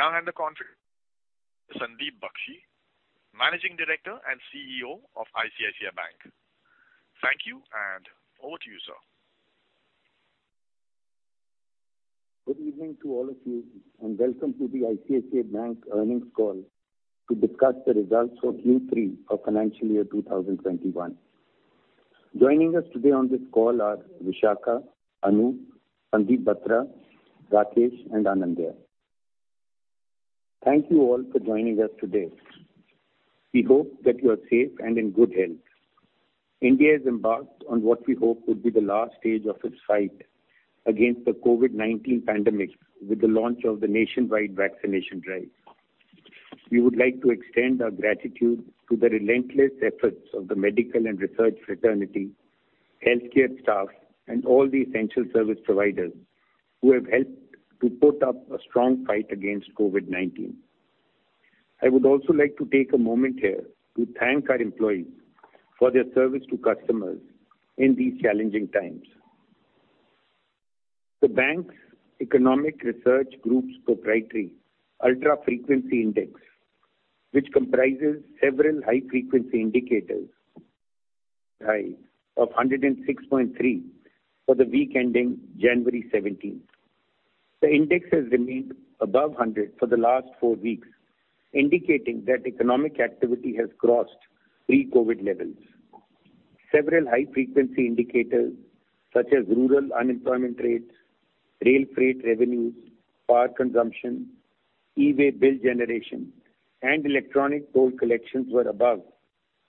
And now I have the conference. Sandeep Bakhshi, Managing Director and CEO of ICICI Bank. Thank you, and over to you, sir. Good evening to all of you, and welcome to the ICICI Bank Earnings Call to discuss the results for Q3 of financial year 2021. Joining us today on this call are Vishakha, Anup, Sandeep Batra, Rakesh, and Anindya. Thank you all for joining us today. We hope that you are safe and in good health. India is embarked on what we hope would be the last stage of its fight against the COVID-19 pandemic with the launch of the nationwide vaccination drive. We would like to extend our gratitude to the relentless efforts of the medical and research fraternity, healthcare staff, and all the essential service providers who have helped to put up a strong fight against COVID-19. I would also like to take a moment here to thank our employees for their service to customers in these challenging times. The Bank's Economic Research Group's proprietary Ultra Frequency Index, which comprises several high-frequency indicators, rose to 106.3 for the week ending January 17th. The index has remained above 100 for the last four weeks, indicating that economic activity has crossed pre-COVID levels. Several high-frequency indicators such as rural unemployment rates, rail freight revenues, power consumption, E-Way Bill generation, and electronic toll collections were above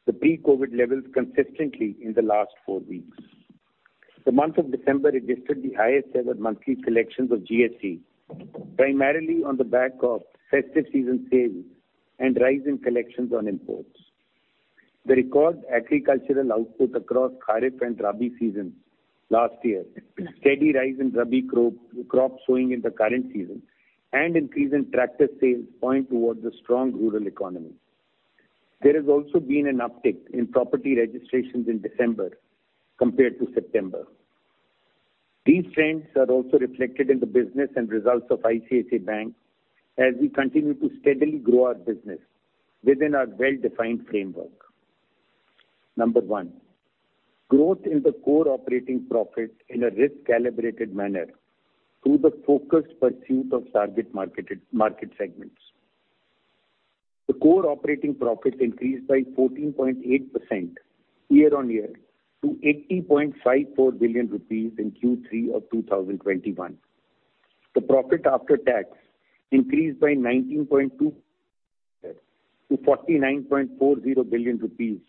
the pre-COVID levels consistently in the last four weeks. The month of December registered the highest-ever monthly collections of GST, primarily on the back of festive season sales and rising collections on imports. The record agricultural output across Kharif and Rabi seasons last year, steady rise in Rabi crop sowing in the current season, and increase in tractor sales point towards a strong rural economy. There has also been an uptick in property registrations in December compared to September. These trends are also reflected in the business and results of ICICI Bank as we continue to steadily grow our business within our well-defined framework. Number one, growth in the core operating profit in a risk-calibrated manner through the focused pursuit of target market segments. The core operating profit increased by 14.8% year-on-year to 80.54 billion rupees in Q3 of 2021. The profit after tax increased by 19.2% to 49.40 billion rupees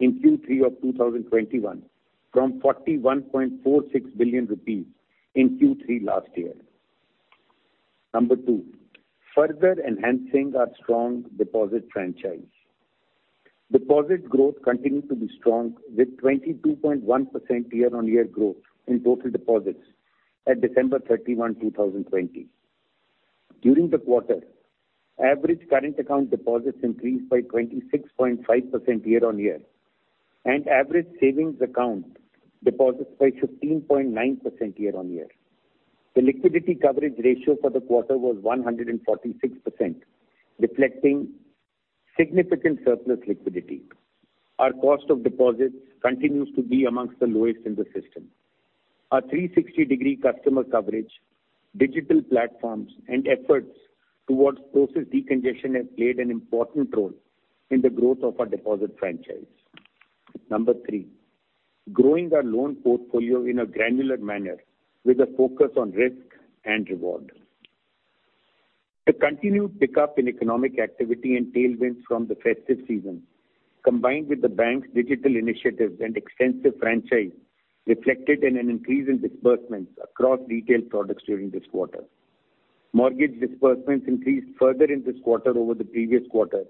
in Q3 of 2021 from 41.46 billion rupees in Q3 last year. Number two, further enhancing our strong deposit franchise. Deposit growth continued to be strong with 22.1% year-on-year growth in total deposits at December 31, 2020. During the quarter, average current account deposits increased by 26.5% year-on-year, and average savings account deposits by 15.9% year-on-year. The liquidity coverage ratio for the quarter was 146%, reflecting significant surplus liquidity. Our cost of deposits continues to be among the lowest in the system. Our 360-degree customer coverage, digital platforms, and efforts towards process decongestion have played an important role in the growth of our deposit franchise. Number three, growing our loan portfolio in a granular manner with a focus on risk and reward. The continued pickup in economic activity and tailwinds from the festive season, combined with the bank's digital initiatives and extensive franchise, reflected in an increase in disbursements across retail products during this quarter. Mortgage disbursements increased further in this quarter over the previous quarter,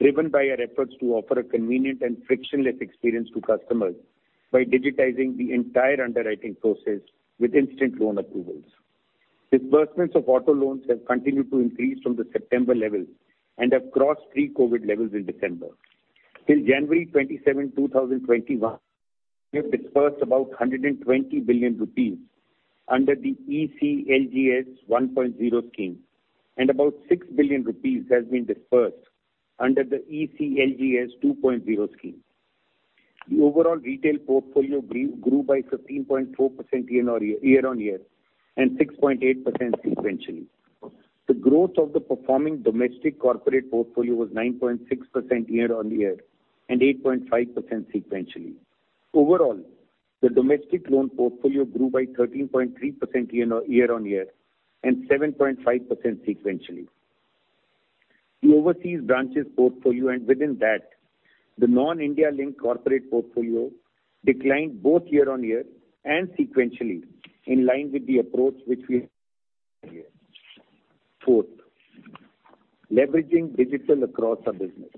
driven by our efforts to offer a convenient and frictionless experience to customers by digitizing the entire underwriting process with instant loan approvals. Disbursements of auto loans have continued to increase from the September level and have crossed pre-COVID levels in December. Till January 27, 2021, we have disbursed about 120 billion rupees under the ECLGS 1.0 scheme, and about 6 billion rupees has been disbursed under the ECLGS 2.0 scheme. The overall retail portfolio grew by 15.4% year-on-year and 6.8% sequentially. The growth of the performing domestic corporate portfolio was 9.6% year-on-year and 8.5% sequentially. Overall, the domestic loan portfolio grew by 13.3% year-on-year and 7.5% sequentially. The overseas branches portfolio, and within that, the non-India linked corporate portfolio declined both year-on-year and sequentially in line with the approach which we have. Fourth, leveraging digital across our business.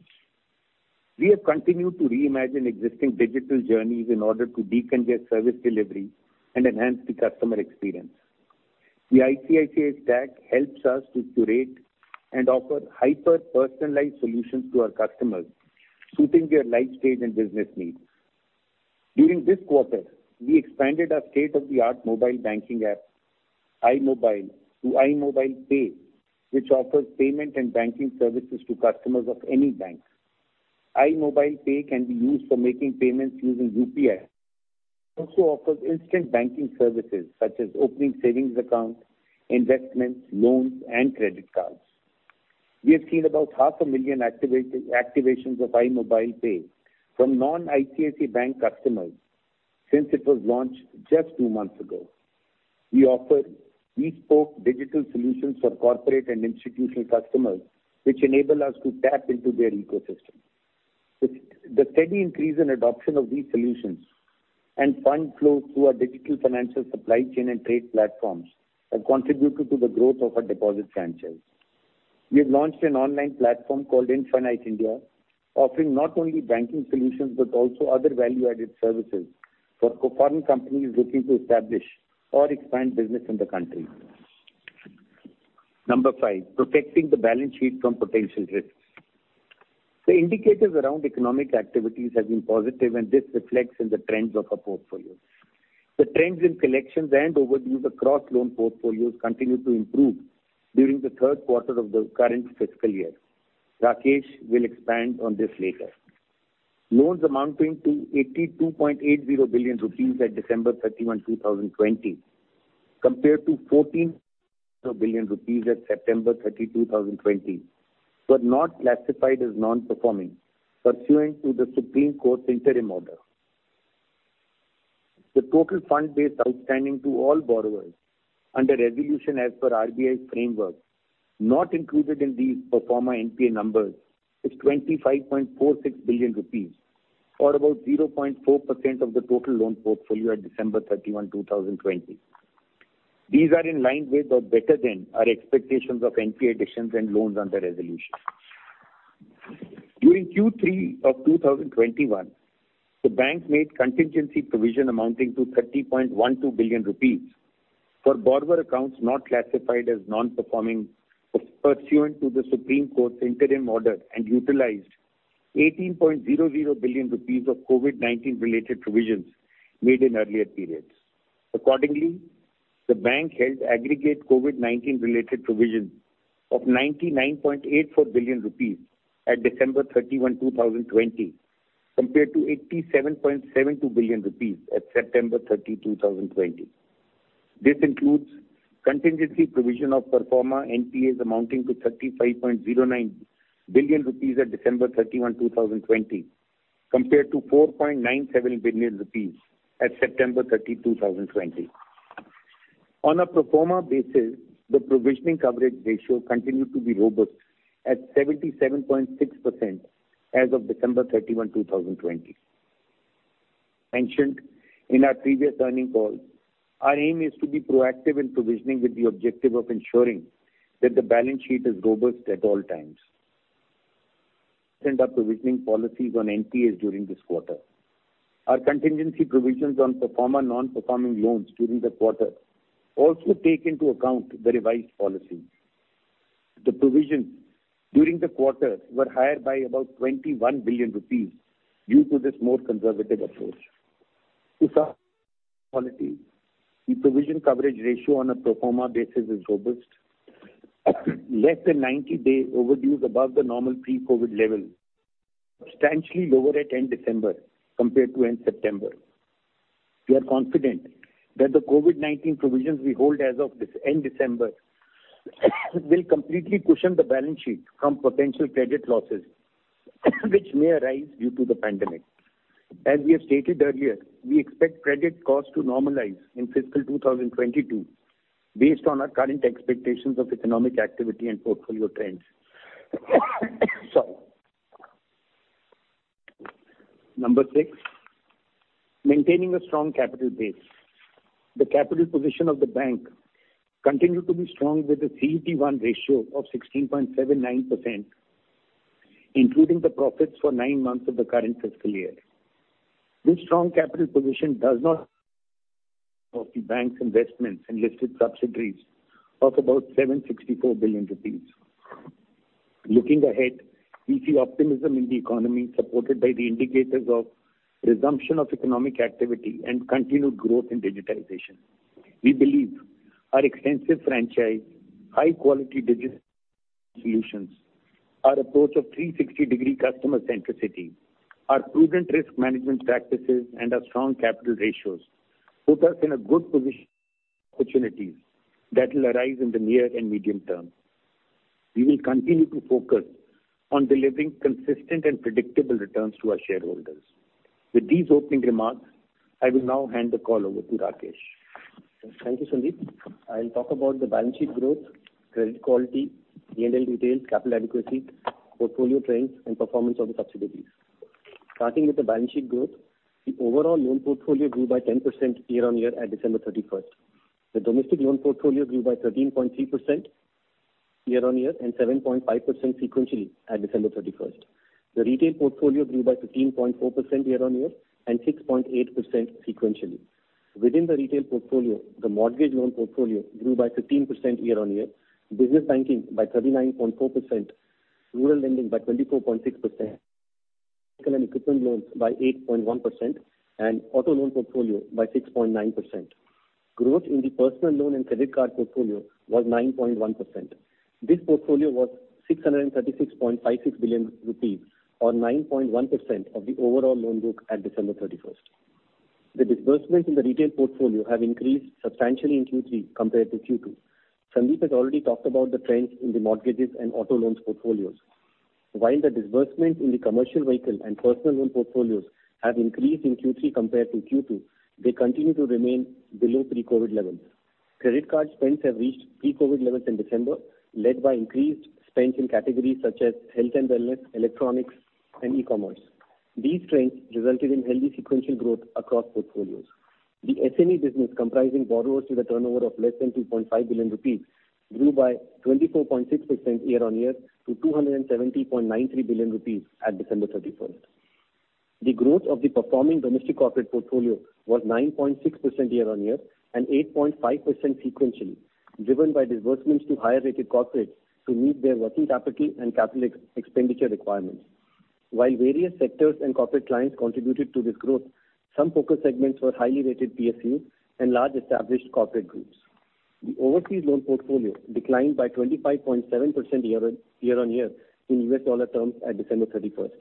We have continued to reimagine existing digital journeys in order to decongest service delivery and enhance the customer experience. The ICICI Stack helps us to curate and offer hyper-personalized solutions to our customers, suiting their life stage and business needs. During this quarter, we expanded our state-of-the-art mobile banking app, iMobile, to iMobile Pay, which offers payment and banking services to customers of any bank. iMobile Pay can be used for making payments using UPI. It also offers instant banking services such as opening savings accounts, investments, loans, and credit cards. We have seen about 500,000 activations of iMobile Pay from non-ICICI Bank customers since it was launched just two months ago. We offered bespoke digital solutions for corporate and institutional customers, which enable us to tap into their ecosystem. The steady increase in adoption of these solutions and fund flows through our digital financial supply chain and trade platforms have contributed to the growth of our deposit franchise. We have launched an online platform called Infinite India, offering not only banking solutions but also other value-added services for foreign companies looking to establish or expand business in the country. Number five, protecting the balance sheet from potential risks. The indicators around economic activities have been positive, and this reflects in the trends of our portfolio. The trends in collections and overdue across loan portfolios continue to improve during the third quarter of the current fiscal year. Rakesh will expand on this later. Loans amounting to 82.80 billion rupees at December 31, 2020, compared to 14.0 billion rupees at September 30, 2020, were not classified as non-performing, pursuant to the Supreme Court Interim Order. The total funded balance outstanding to all borrowers under resolution as per RBI's framework, not included in these pro forma NPA numbers, is 25.46 billion rupees or about 0.4% of the total loan portfolio at December 31, 2020. These are in line with or better than our expectations of NPA additions and loans under resolution. During Q3 of 2021, the bank made contingency provision amounting to 30.12 billion rupees for borrower accounts not classified as non-performing, pursuant to the Supreme Court's interim order, and utilized 18.00 billion rupees of COVID-19-related provisions made in earlier periods. Accordingly, the bank held aggregate COVID-19-related provisions of 99.84 billion rupees at December 31, 2020, compared to 87.72 billion rupees at September 30, 2020. This includes contingency provision of pro forma NPAs amounting to 35.09 billion rupees at December 31, 2020, compared to 4.97 billion rupees at September 30, 2020. On a performing basis, the provision coverage ratio continued to be robust at 77.6% as of December 31, 2020. As mentioned in our previous earnings call, our aim is to be proactive in provisioning with the objective of ensuring that the balance sheet is robust at all times. We will extend our provisioning policies on NPAs during this quarter. Our contingency provisions on performing and non-performing loans during the quarter also take into account the revised policy. The provisions during the quarter were higher by about 21 billion rupees due to this more conservative approach. To summarize the quality, the provision coverage ratio on a performing basis is robust, less than 90-day overdue above the normal pre-COVID level, substantially lower at end December compared to end September. We are confident that the COVID-19 provisions we hold as of end December will completely cushion the balance sheet from potential credit losses which may arise due to the pandemic. As we have stated earlier, we expect credit costs to normalize in fiscal 2022 based on our current expectations of economic activity and portfolio trends. Sorry. Number six, maintaining a strong capital base. The capital position of the bank continued to be strong with a CET1 ratio of 16.79%, including the profits for nine months of the current fiscal year. This strong capital position does not. Of the bank's investments in listed subsidiaries of about 764 billion rupees. Looking ahead, we see optimism in the economy supported by the indicators of resumption of economic activity and continued growth in digitization. We believe our extensive franchise, high-quality digital solutions, our approach of 360-degree customer centricity, our prudent risk management practices, and our strong capital ratios put us in a good position. Opportunities that will arise in the near and medium term. We will continue to focus on delivering consistent and predictable returns to our shareholders. With these opening remarks, I will now hand the call over to Rakesh. Thank you, Sandeep. I'll talk about the balance sheet growth, credit quality, E&L details, capital adequacy, portfolio trends, and performance of the subsidiaries. Starting with the balance sheet growth, the overall loan portfolio grew by 10% year-on-year at December 31st. The domestic loan portfolio grew by 13.3% year-on-year and 7.5% sequentially at December 31st. The retail portfolio grew by 15.4% year-on-year and 6.8% sequentially. Within the retail portfolio, the mortgage loan portfolio grew by 15% year-on-year, business banking by 39.4%, rural lending by 24.6%, medical and equipment loans by 8.1%, and auto loan portfolio by 6.9%. Growth in the personal loan and credit card portfolio was 9.1%. This portfolio was 636.56 billion rupees or 9.1% of the overall loan book at December 31st. The disbursements in the retail portfolio have increased substantially in Q3 compared to Q2. Sandeep has already talked about the trends in the mortgages and auto loans portfolios. While the disbursements in the commercial vehicle and personal loan portfolios have increased in Q3 compared to Q2, they continue to remain below pre-COVID levels. Credit card spends have reached pre-COVID levels in December, led by increased spends in categories such as health and wellness, electronics, and e-commerce. These trends resulted in healthy sequential growth across portfolios. The SME business comprising borrowers with a turnover of less than 2.5 billion rupees grew by 24.6% year-on-year to 270.93 billion rupees at December 31st. The growth of the performing domestic corporate portfolio was 9.6% year-on-year and 8.5% sequentially, driven by disbursements to higher-rated corporates to meet their working capital and capital expenditure requirements. While various sectors and corporate clients contributed to this growth, some focus segments were highly rated PSUs and large established corporate groups. The overseas loan portfolio declined by 25.7% year-on-year in U.S. dollar terms at December 31st.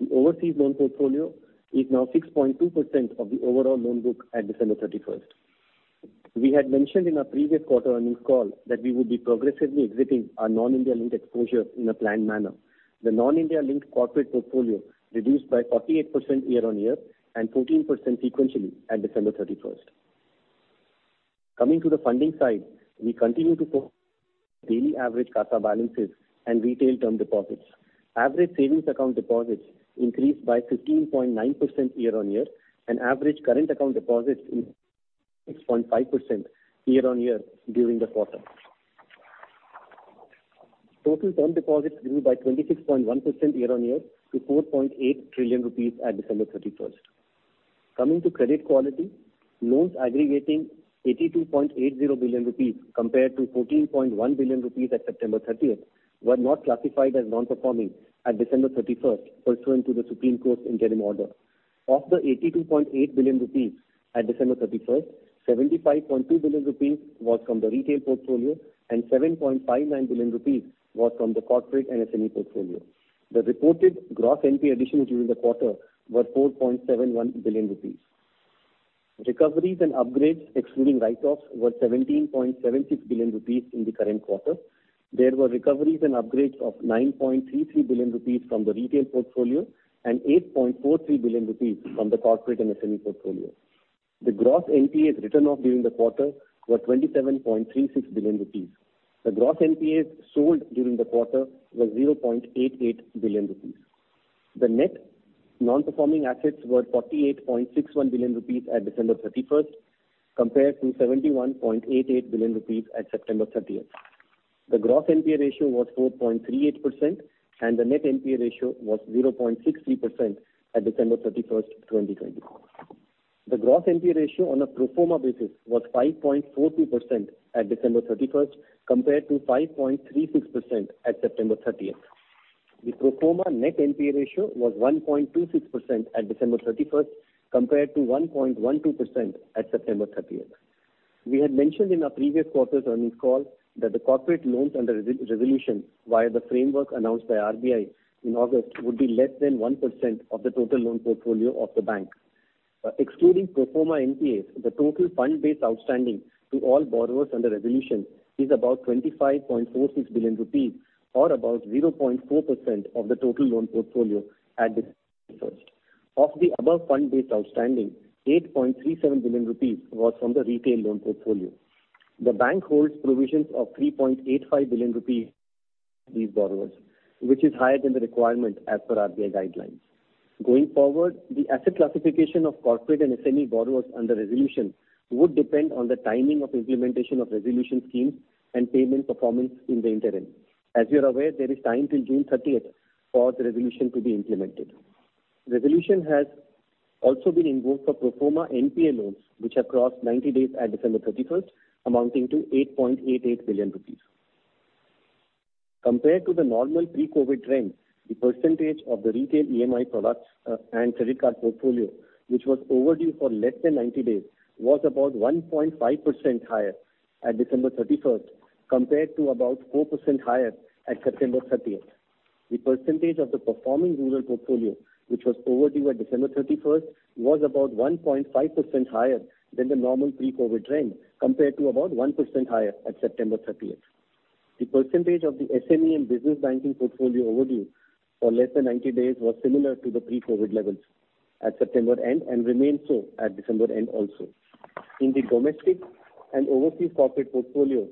The overseas loan portfolio is now 6.2% of the overall loan book at December 31st. We had mentioned in our previous quarter earnings call that we would be progressively exiting our non-India linked exposure in a planned manner. The non-India linked corporate portfolio reduced by 48% year-on-year and 14% sequentially at December 31st. Coming to the funding side, we continue to focus on daily average CASA balances and retail term deposits. Average savings account deposits increased by 15.9% year-on-year and average current account deposits increased by 6.5% year-on-year during the quarter. Total term deposits grew by 26.1% year-on-year to 4.8 trillion rupees at December 31st. Coming to credit quality, loans aggregating 82.80 billion rupees compared to 14.1 billion rupees at September 30th were not classified as non-performing at December 31st, pursuant to the Supreme Court's interim order. Of the 82.8 billion rupees at December 31st, 75.2 billion rupees was from the retail portfolio and 7.59 billion rupees was from the corporate and SME portfolio. The reported gross NPA additions during the quarter were 4.71 billion rupees. Recoveries and upgrades, excluding write-offs, were 17.76 billion rupees in the current quarter. There were recoveries and upgrades of 9.33 billion rupees from the retail portfolio and 8.43 billion rupees from the corporate and SME portfolio. The gross NPAs written off during the quarter were 27.36 billion rupees. The gross NPAs sold during the quarter were 0.88 billion rupees. The net non-performing assets were 48.61 billion rupees at December 31st compared to 71.88 billion rupees at September 30th. The gross NPA ratio was 4.38%, and the net NPA ratio was 0.63% at December 31st, 2020. The gross NPA ratio on a pro forma basis was 5.42% at December 31st compared to 5.36% at September 30th. The pro forma net NPA ratio was 1.26% at December 31st compared to 1.12% at September 30th. We had mentioned in our previous quarter's earnings call that the corporate loans under resolution via the framework announced by RBI in August would be less than 1% of the total loan portfolio of the bank. Excluding pro forma NPAs, the total fund base outstanding to all borrowers under resolution is about 25.46 billion rupees or about 0.4% of the total loan portfolio at December 31st. Of the above fund base outstanding, 8.37 billion rupees was from the retail loan portfolio. The bank holds provisions of 3.85 billion rupees for these borrowers, which is higher than the requirement as per RBI guidelines. Going forward, the asset classification of corporate and SME borrowers under resolution would depend on the timing of implementation of resolution schemes and payment performance in the interim. As you're aware, there is time till June 30th for the resolution to be implemented. Resolution has also been invoked for Pro Forma NPA loans, which have crossed 90 days at December 31st, amounting to 8.88 billion rupees. Compared to the normal pre-COVID trends, the percentage of the retail EMI products and credit card portfolio, which was overdue for less than 90 days, was about 1.5% higher at December 31st compared to about 4% higher at September 30th. The percentage of the performing rural portfolio, which was overdue at December 31st, was about 1.5% higher than the normal pre-COVID trend compared to about 1% higher at September 30th. The percentage of the SME and business banking portfolio overdue for less than 90 days was similar to the pre-COVID levels at September end and remained so at December end also. In the domestic and overseas corporate portfolio,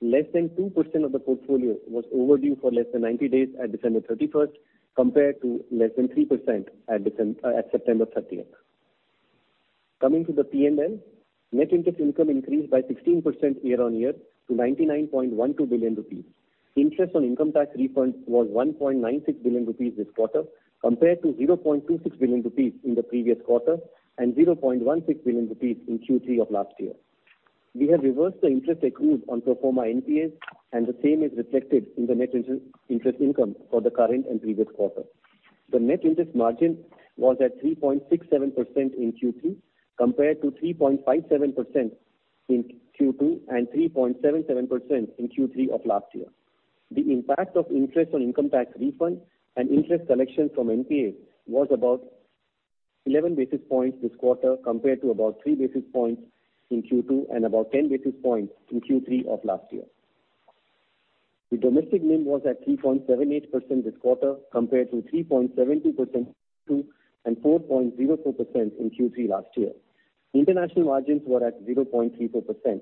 less than 2% of the portfolio was overdue for less than 90 days at December 31st compared to less than 3% at September 30th. Coming to the P&L, net interest income increased by 16% year-on-year to 99.12 billion rupees. Interest on income tax refund was 1.96 billion rupees this quarter compared to 0.26 billion rupees in the previous quarter and 0.16 billion rupees in Q3 of last year. We have reversed the interest accrued on pro forma NPAs, and the same is reflected in the net interest income for the current and previous quarter. The net interest margin was at 3.67% in Q3 compared to 3.57% in Q2 and 3.77% in Q3 of last year. The impact of interest on income tax refund and interest collection from NPAs was about 11 basis points this quarter compared to about 3 basis points in Q2 and about 10 basis points in Q3 of last year. The domestic NIM was at 3.78% this quarter compared to 3.72% in Q2 and 4.04% in Q3 last year. International margins were at 0.34%.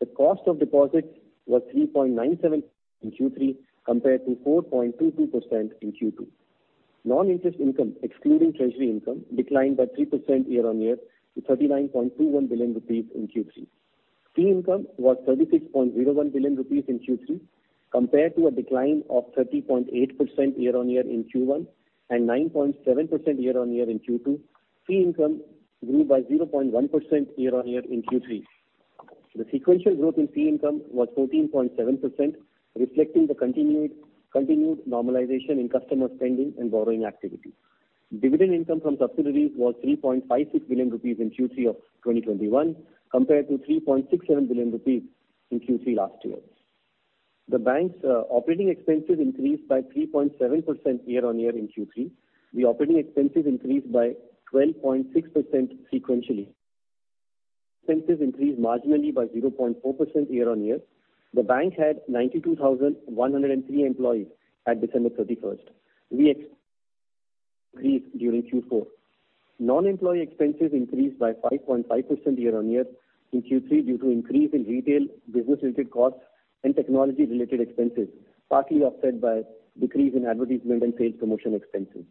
The cost of deposits was 3.97% in Q3 compared to 4.22% in Q2. Non-interest income, excluding treasury income, declined by 3% year-on-year to 39.21 billion rupees in Q3. Fee income was 36.01 billion rupees in Q3 compared to a decline of 30.8% year-on-year in Q1 and 9.7% year-on-year in Q2. Fee income grew by 0.1% year-on-year in Q3. The sequential growth in fee income was 14.7%, reflecting the continued normalization in customer spending and borrowing activity. Dividend income from subsidiaries was 3.56 billion rupees in Q3 of 2021 compared to 3.67 billion rupees in Q3 last year. The bank's operating expenses increased by 3.7% year-on-year in Q3. The operating expenses increased by 12.6% sequentially. Expenses increased marginally by 0.4% year-on-year. The bank had 92,103 employees at December 31st. We increased during Q4. Non-employee expenses increased by 5.5% year-on-year in Q3 due to increase in retail business-related costs and technology-related expenses, partly offset by decrease in advertisement and sales promotion expenses.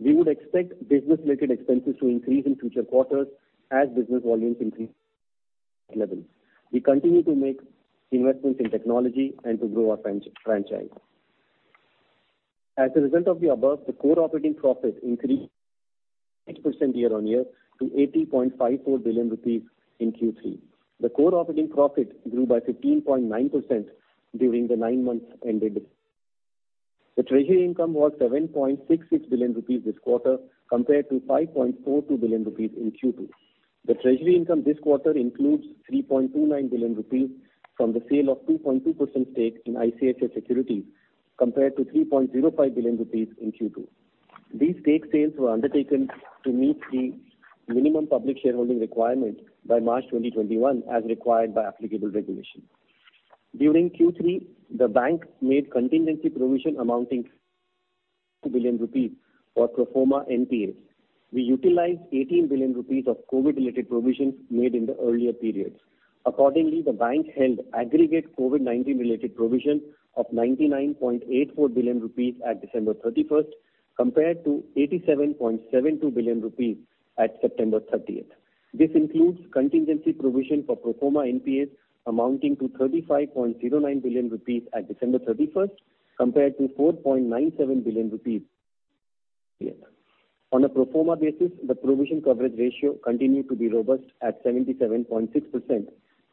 We would expect business-related expenses to increase in future quarters as business volumes increase. Levels. We continue to make investments in technology and to grow our franchise. As a result of the above, the core operating profit increased by 6% year-on-year to 80.54 billion rupees in Q3. The core operating profit grew by 15.9% during the nine months ended. The treasury income was 7.66 billion rupees this quarter compared to 5.42 billion rupees in Q2. The treasury income this quarter includes 3.29 billion rupees from the sale of 2.2% stake in ICICI Securities compared to 3.05 billion rupees in Q2. These stake sales were undertaken to meet the minimum public shareholding requirement by March 2021 as required by applicable regulation. During Q3, the bank made contingency provision amounting to 12 billion rupees for pro forma NPAs. We utilized 18 billion rupees of COVID-related provisions made in the earlier periods. Accordingly, the bank held aggregate COVID-19-related provision of 99.84 billion rupees at December 31st compared to 87.72 billion rupees at September 30th. This includes contingency provision for pro forma NPAs amounting to 35.09 billion rupees at December 31st compared to 4.97 billion rupees on a pro forma basis. The provision coverage ratio continued to be robust at 77.6%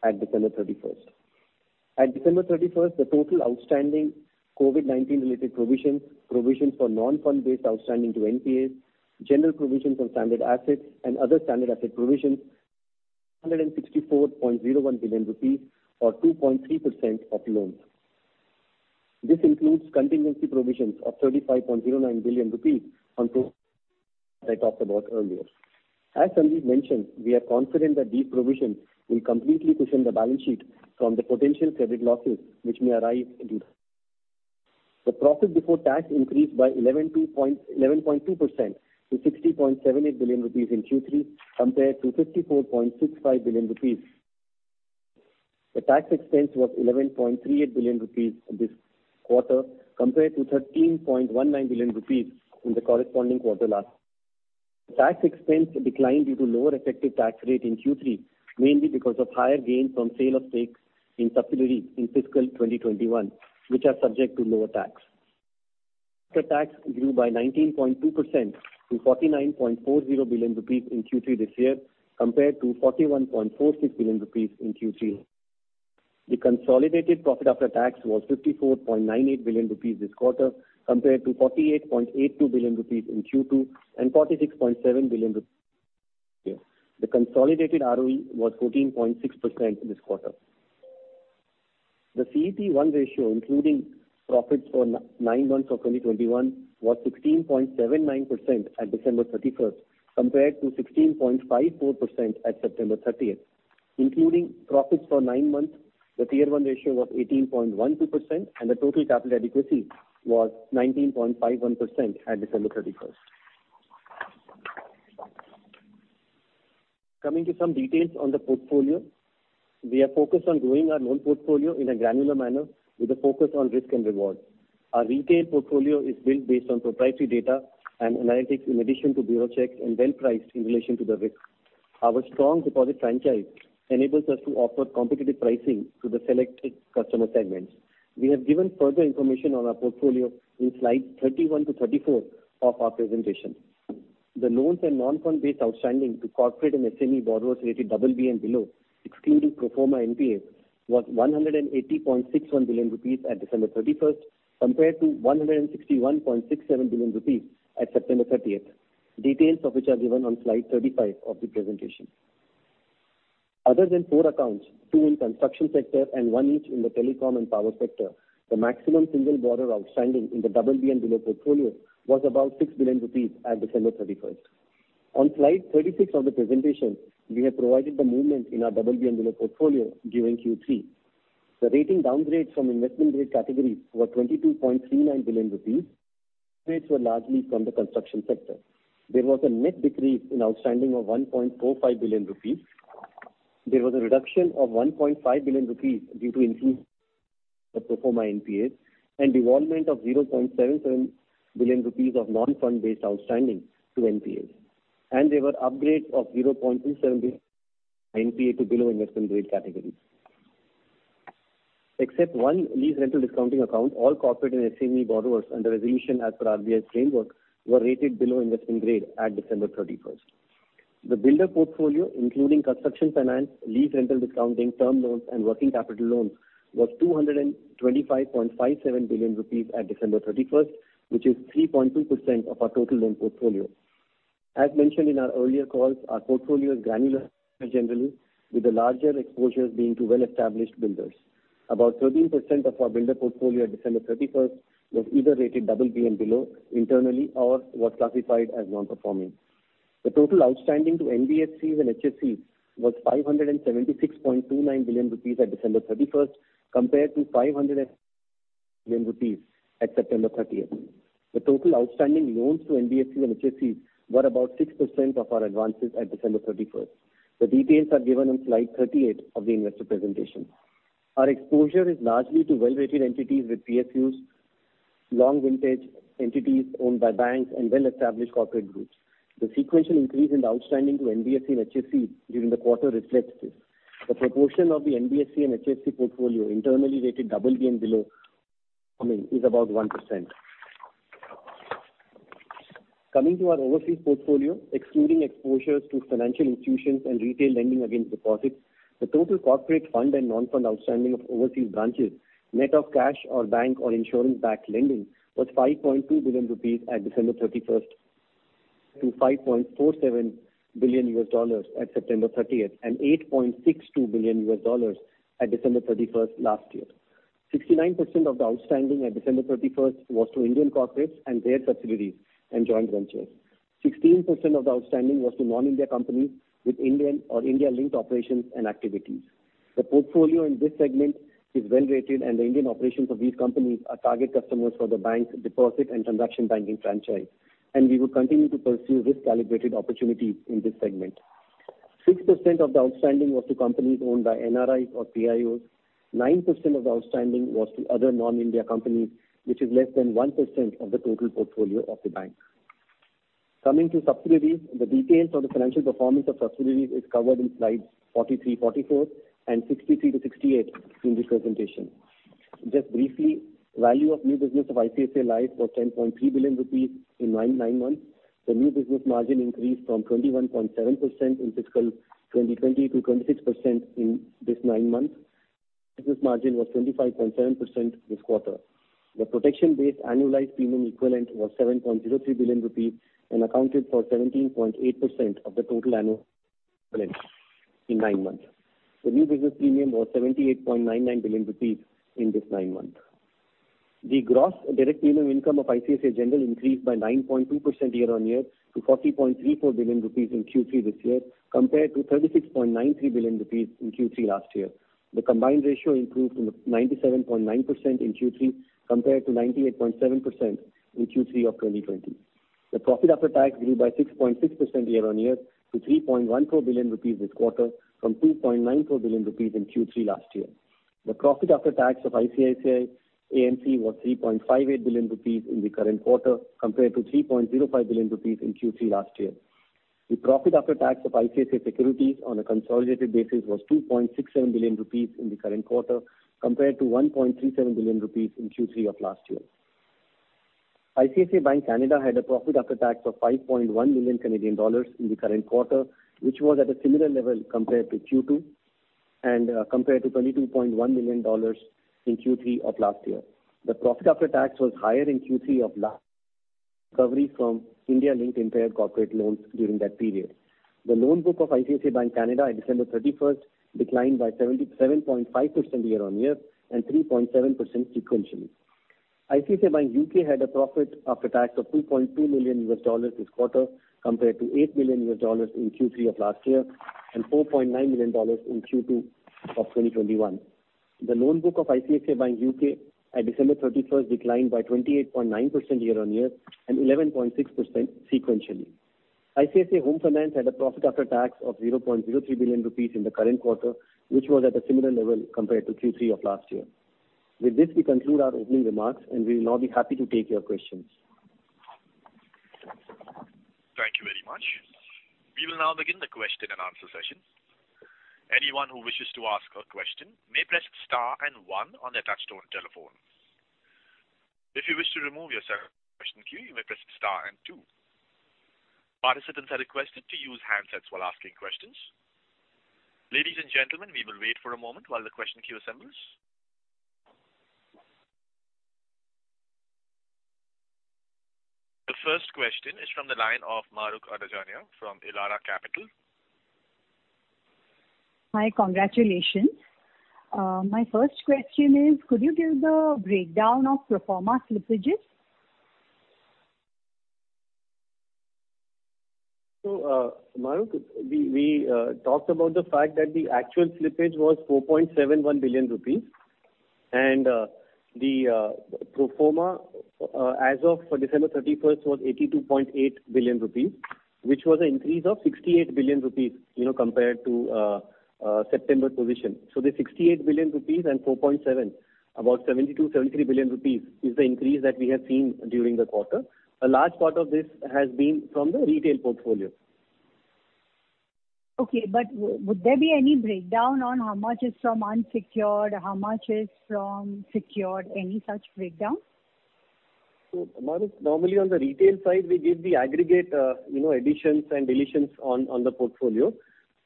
at December 31st. At December 31st, the total outstanding COVID-19-related provisions, provisions for non-fund-based outstanding to NPAs, general provisions on standard assets, and other standard asset provisions totaled 164.01 billion rupees or 2.3% of loans. This includes contingency provisions of 35.09 billion rupees on pro forma NPAs that I talked about earlier. As Sandeep mentioned, we are confident that these provisions will completely cushion the balance sheet from the potential credit losses which may arise. Profit before tax increased by 11.2% to 60.78 billion rupees in Q3 compared to 54.65 billion rupees. The tax expense was 11.38 billion rupees this quarter compared to 13.19 billion rupees in the corresponding quarter last year. Tax expense declined due to lower effective tax rate in Q3, mainly because of higher gains from sale of stakes in subsidiaries in fiscal 2021, which are subject to lower tax. After-tax grew by 19.2% to 49.40 billion rupees in Q3 this year compared to 41.46 billion rupees in Q3. The consolidated profit after-tax was 54.98 billion rupees this quarter compared to 48.82 billion rupees in Q2 and 46.7 billion rupees this year. The consolidated ROE was 14.6% this quarter. The CET1 ratio, including profits for nine months of 2021, was 16.79% at December 31st compared to 16.54% at September 30th. Including profits for nine months, the Tier 1 ratio was 18.12%, and the total capital adequacy was 19.51% at December 31st. Coming to some details on the portfolio, we have focused on growing our loan portfolio in a granular manner with a focus on risk and reward. Our retail portfolio is built based on proprietary data and analytics in addition to bureau checks and well-priced in relation to the risk. Our strong deposit franchise enables us to offer competitive pricing to the selected customer segments. We have given further information on our portfolio in slides 31 to 34 of our presentation. The loans and non-fund-based outstanding to corporate and SME borrowers rated BB and below, excluding pro forma NPAs, was 180.61 billion rupees at December 31st compared to 161.67 billion rupees at September 30th, details of which are given on slide 35 of the presentation. Other than four accounts, two in construction sector and one each in the telecom and power sector, the maximum single borrower outstanding in the BB and below portfolio was about 6 billion rupees at December 31st. On slide 36 of the presentation, we have provided the movement in our BB and below portfolio during Q3. The rating downgrades from investment-grade categories were 22.39 billion rupees. Ratings were largely from the construction sector. There was a net decrease in outstanding of 1.45 billion rupees. There was a reduction of 1.5 billion rupees due to increasing the pro forma NPAs and devolvement of 0.77 billion rupees of non-fund-based outstanding to NPAs, and there were upgrades of 0.27 billion NPA to below investment-grade categories. Except one lease rental discounting account, all corporate and SME borrowers under resolution as per RBI's framework were rated below investment-grade at December 31st. The builder portfolio, including construction finance, lease rental discounting, term loans, and working capital loans, was 225.57 billion rupees at December 31st, which is 3.2% of our total loan portfolio. As mentioned in our earlier calls, our portfolio is granular generally, with the larger exposures being to well-established builders. About 13% of our builder portfolio at December 31st was either rated BB and below internally or was classified as non-performing. The total outstanding to NBFCs and HFCs was 576.29 billion rupees at December 31st compared to 507 billion rupees at September 30th. The total outstanding loans to NBFCs and HFCs were about 6% of our advances at December 31st. The details are given on slide 38 of the investor presentation. Our exposure is largely to well-rated entities with PSUs, long-vintage entities owned by banks, and well-established corporate groups. The sequential increase in the outstanding to NBFC and HFCs during the quarter reflects this. The proportion of the NBFC and HFC portfolio internally rated BB and below is about 1%. Coming to our overseas portfolio, excluding exposures to financial institutions and retail lending against deposits, the total corporate fund and non-fund outstanding of overseas branches, net of cash or bank or insurance-backed lending, was 5.2 billion rupees at December 31st to $5.47 billion at September 30th and $8.62 billion at December 31st last year. 69% of the outstanding at December 31st was to Indian corporates and their subsidiaries and joint ventures. 16% of the outstanding was to non-India companies with Indian or India-linked operations and activities. The portfolio in this segment is well-rated, and the Indian operations of these companies are target customers for the bank's deposit and transaction banking franchise, and we will continue to pursue risk-calibrated opportunities in this segment. 6% of the outstanding was to companies owned by NRIs or PIOs. 9% of the outstanding was to other non-India companies, which is less than 1% of the total portfolio of the bank. Coming to subsidiaries, the details of the financial performance of subsidiaries is covered in slides 43, 44, and 63-68 in this presentation. Just briefly, value of new business of ICICI Life was 10.3 billion rupees in nine months. The new business margin increased from 21.7% in fiscal 2020 to 26% in this nine months. Business margin was 25.7% this quarter. The protection-based annualized premium equivalent was 7.03 billion rupees and accounted for 17.8% of the total annual equivalent in nine months. The new business premium was 78.99 billion rupees in this nine months. The gross direct premium income of ICICI General increased by 9.2% year-on-year to 40.34 billion rupees in Q3 this year compared to 36.93 billion rupees in Q3 last year. The combined ratio improved to 97.9% in Q3 compared to 98.7% in Q3 of 2020. The profit after-tax grew by 6.6% year-on-year to 3.14 billion rupees this quarter from 2.94 billion rupees in Q3 last year. The profit after-tax of ICICI AMC was 3.58 billion rupees in the current quarter compared to 3.05 billion rupees in Q3 last year. The profit after-tax of ICICI Securities on a consolidated basis was 2.67 billion rupees in the current quarter compared to 1.37 billion rupees in Q3 of last year. ICICI Bank Canada had a profit after-tax of 5.1 million Canadian dollars in the current quarter, which was at a similar level compared to Q2 and compared to 22.1 million dollars in Q3 of last year. The profit after-tax was higher in Q3 of last year recovery from India-linked impaired corporate loans during that period. The loan book of ICICI Bank Canada at December 31st declined by 7.5% year-on-year and 3.7% sequentially. ICICI Bank UK had a profit after-tax of $2.2 million this quarter compared to $8 million in Q3 of last year and $4.9 million in Q2 of 2021. The loan book of ICICI Bank UK at December 31st declined by 28.9% year-on-year and 11.6% sequentially. ICICI Home Finance had a profit after-tax of 0.03 billion rupees in the current quarter, which was at a similar level compared to Q3 of last year. With this, we conclude our opening remarks, and we will now be happy to take your questions. Thank you very much. We will now begin the question and answer session. Anyone who wishes to ask a question may press star and one on their touch-tone telephone. If you wish to remove yourself from the question queue, you may press star and two. Participants are requested to use handsets while asking questions. Ladies and gentlemen, we will wait for a moment while the question queue assembles. The first question is from the line of Mahrukh Adajania from Elara Capital. Hi, congratulations. My first question is, could you give the breakdown of pro forma slippages? So, Mahrukh, we talked about the fact that the actual slippage was 4.71 billion rupees, and the pro forma as of December 31st was 82.8 billion rupees, which was an increase of 68 billion rupees compared to September position. So the 68 billion rupees and 4.7, about 72-73 billion rupees is the increase that we have seen during the quarter. A large part of this has been from the retail portfolio. Okay, but would there be any breakdown on how much is from unsecured, how much is from secured, any such breakdown? So, Mahrukh, normally on the retail side, we give the aggregate additions and deletions on the portfolio.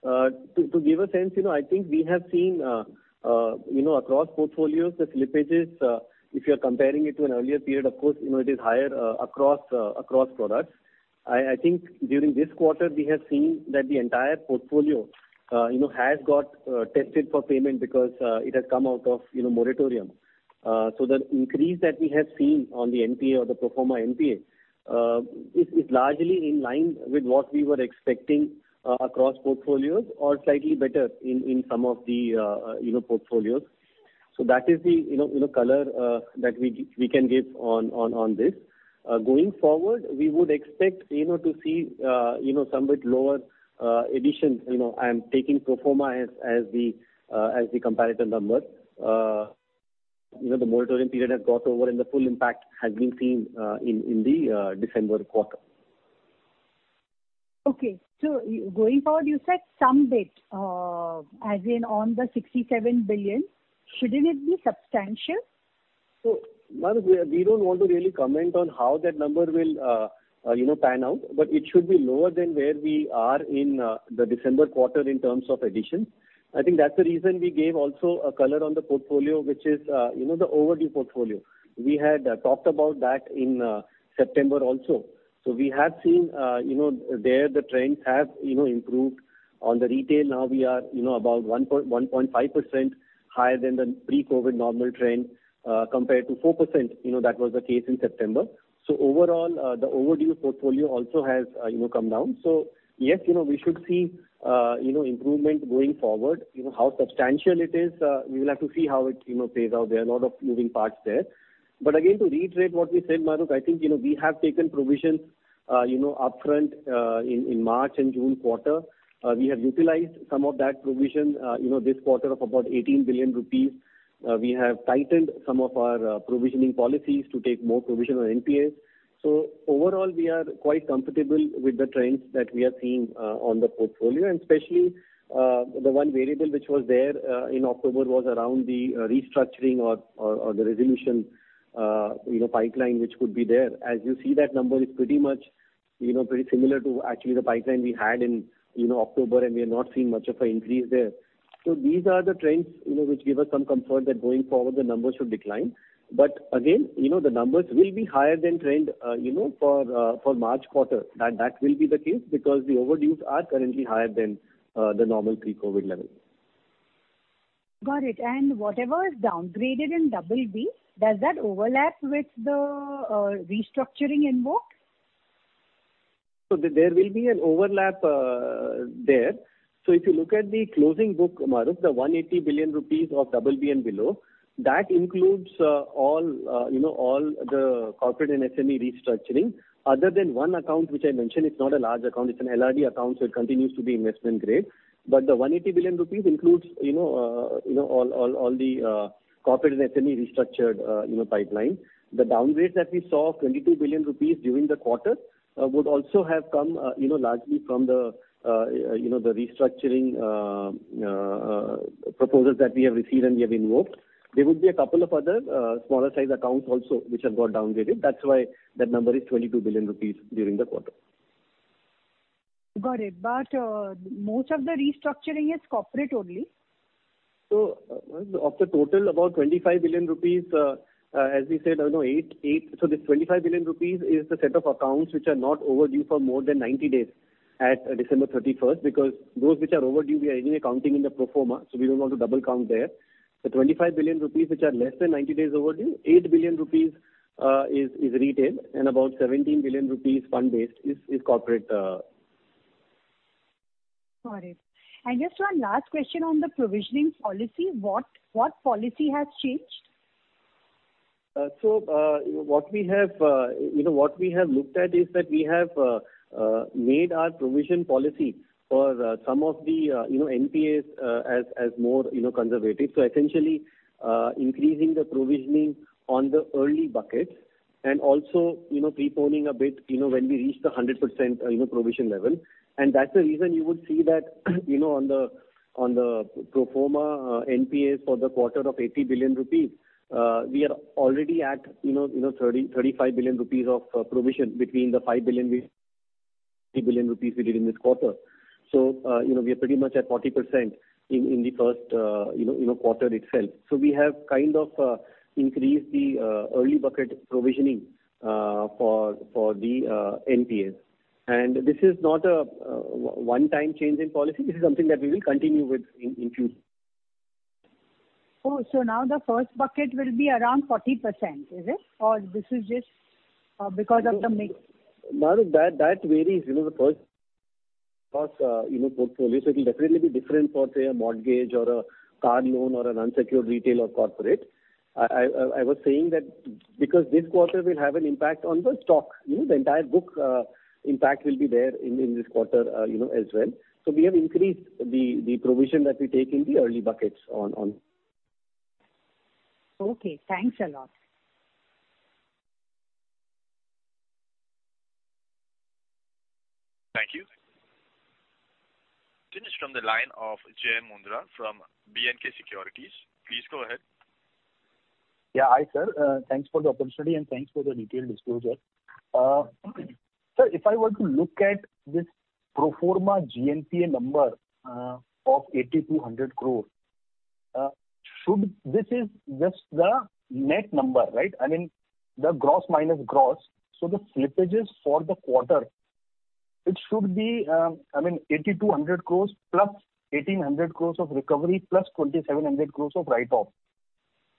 To give a sense, I think we have seen across portfolios the slippages. If you're comparing it to an earlier period, of course, it is higher across products. I think during this quarter, we have seen that the entire portfolio has got tested for payment because it has come out of moratorium. So the increase that we have seen on the NPA or the pro forma NPA is largely in line with what we were expecting across portfolios or slightly better in some of the portfolios. So that is the color that we can give on this. Going forward, we would expect to see somewhat lower additions. I'm taking pro forma as the comparison number. The moratorium period has gone over, and the full impact has been seen in the December quarter. Okay. So going forward, you said some bit as in on the 67 billion. Shouldn't it be substantial? So, Mahrukh, we don't want to really comment on how that number will pan out, but it should be lower than where we are in the December quarter in terms of additions. I think that's the reason we gave also a color on the portfolio, which is the overdue portfolio. We had talked about that in September also. So we have seen there the trends have improved. On the retail, now we are about 1.5% higher than the pre-COVID normal trend compared to 4% that was the case in September. So overall, the overdue portfolio also has come down. So yes, we should see improvement going forward. How substantial it is, we will have to see how it plays out. There are a lot of moving parts there. But again, to reiterate what we said, Mahrukh, I think we have taken provisions upfront in March and June quarter. We have utilized some of that provision this quarter of about 18 billion rupees. We have tightened some of our provisioning policies to take more provision on NPAs. So overall, we are quite comfortable with the trends that we are seeing on the portfolio. And especially, the one variable which was there in October was around the restructuring or the resolution pipeline which could be there. As you see, that number is pretty much very similar to actually the pipeline we had in October, and we have not seen much of an increase there. So these are the trends which give us some comfort that going forward, the numbers should decline. But again, the numbers will be higher than trend for March quarter. That will be the case because the overdues are currently higher than the normal pre-COVID level. Got it. And whatever is downgraded in BB, does that overlap with the restructuring book? So there will be an overlap there. So if you look at the closing book, Mahrukh, the 180 billion rupees of BB and below, that includes all the corporate and SME restructuring. Other than one account, which I mentioned, it's not a large account. It's an LRD account, so it continues to be investment-grade. But the 180 billion rupees includes all the corporate and SME restructured pipeline. The downgrades that we saw of 22 billion rupees during the quarter would also have come largely from the restructuring proposals that we have received and we have invoked. There would be a couple of other smaller-sized accounts also which have got downgraded. That's why that number is 22 billion rupees during the quarter. Got it. But most of the restructuring is corporate only? So of the total, about 25 billion rupees, as we said, so this 25 billion rupees is the set of accounts which are not overdue for more than 90 days at December 31st because those which are overdue, we are usually accounting in the pro forma, so we don't want to double count there. The 25 billion rupees which are less than 90 days overdue, eight billion rupees is retail, and about 17 billion rupees fund-based is corporate. Got it. And just one last question on the provisioning policy. What policy has changed? So what we have looked at is that we have made our provision policy for some of the NPAs as more conservative. So essentially, increasing the provisioning on the early buckets and also preponing a bit when we reach the 100% provision level. And that's the reason you would see that on the pro forma NPAs for the quarter of 80 billion rupees. We are already at 35 billion rupees of provision between the 5 billion we did in this quarter. So we are pretty much at 40% in the first quarter itself. So we have kind of increased the early bucket provisioning for the NPAs. And this is not a one-time change in policy. This is something that we will continue with in future. Oh, so now the first bucket will be around 40%, is it? Or this is just because of the mix? Mahrukh, that varies across portfolios. It will definitely be different for, say, a mortgage or a car loan or an unsecured retail or corporate. I was saying that because this quarter will have an impact on the stock. The entire book impact will be there in this quarter as well. So we have increased the provision that we take in the early buckets on. Okay. Thanks a lot. Thank you. Finished from the line of Jai Mundhra from B&K Securities. Please go ahead. Yeah, hi, sir. Thanks for the opportunity and thanks for the detailed disclosure. Sir, if I were to look at this pro forma GNPA number of 8,200 crores, this is just the net number, right? I mean, the gross minus gross. So the slippages for the quarter, it should be, I mean, 8,200 crores plus 1,800 crores of recovery plus 2,700 crores of write-off.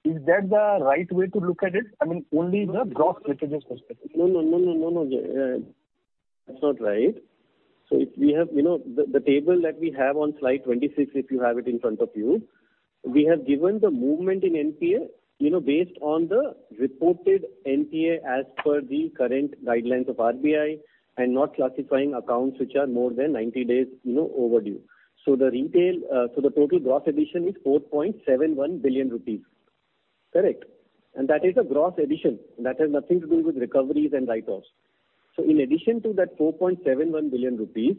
Is that the right way to look at it? I mean, only the gross slippages perspective. No, no, no, no, no, no. That's not right. So we have the table that we have on slide 26, if you have it in front of you. We have given the movement in NPA based on the reported NPA as per the current guidelines of RBI, and not classifying accounts which are more than 90 days overdue. So the total gross addition is 4.71 billion rupees. Correct. And that is a gross addition. That has nothing to do with recoveries and write-offs. So in addition to that 4.71 billion rupees,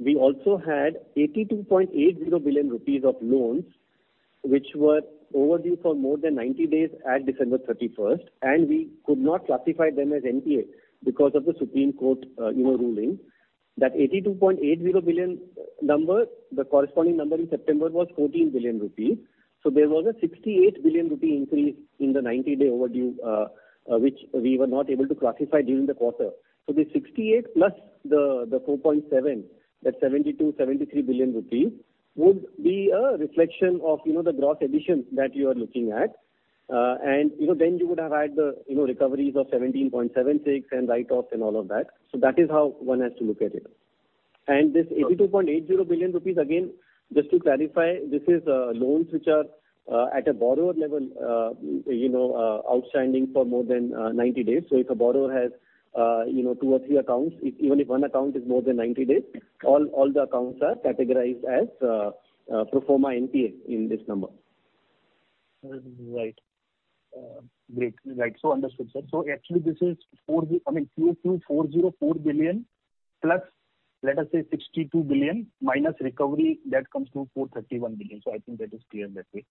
we also had 82.80 billion rupees of loans which were overdue for more than 90 days at December 31st, and we could not classify them as NPA because of the Supreme Court ruling. That 82.80 billion number, the corresponding number in September was 14 billion rupees. So there was a 68 billion rupee increase in the 90-day overdue which we were not able to classify during the quarter. So the 68 plus the 4.7, that 72-73 billion rupees would be a reflection of the gross addition that you are looking at. And then you would have had the recoveries of 17.76 and write-offs and all of that. So that is how one has to look at it. And this 82.80 billion rupees, again, just to clarify, this is loans which are at a borrower level outstanding for more than 90 days. So if a borrower has two or three accounts, even if one account is more than 90 days, all the accounts are categorized as pro forma NPA in this number. Right. Great. Right. So understood, sir. So actually, this is, I mean, Q2, 404 billion plus, let us say, 62 billion minus recovery that comes to 431 billion. So I think that is clear that way.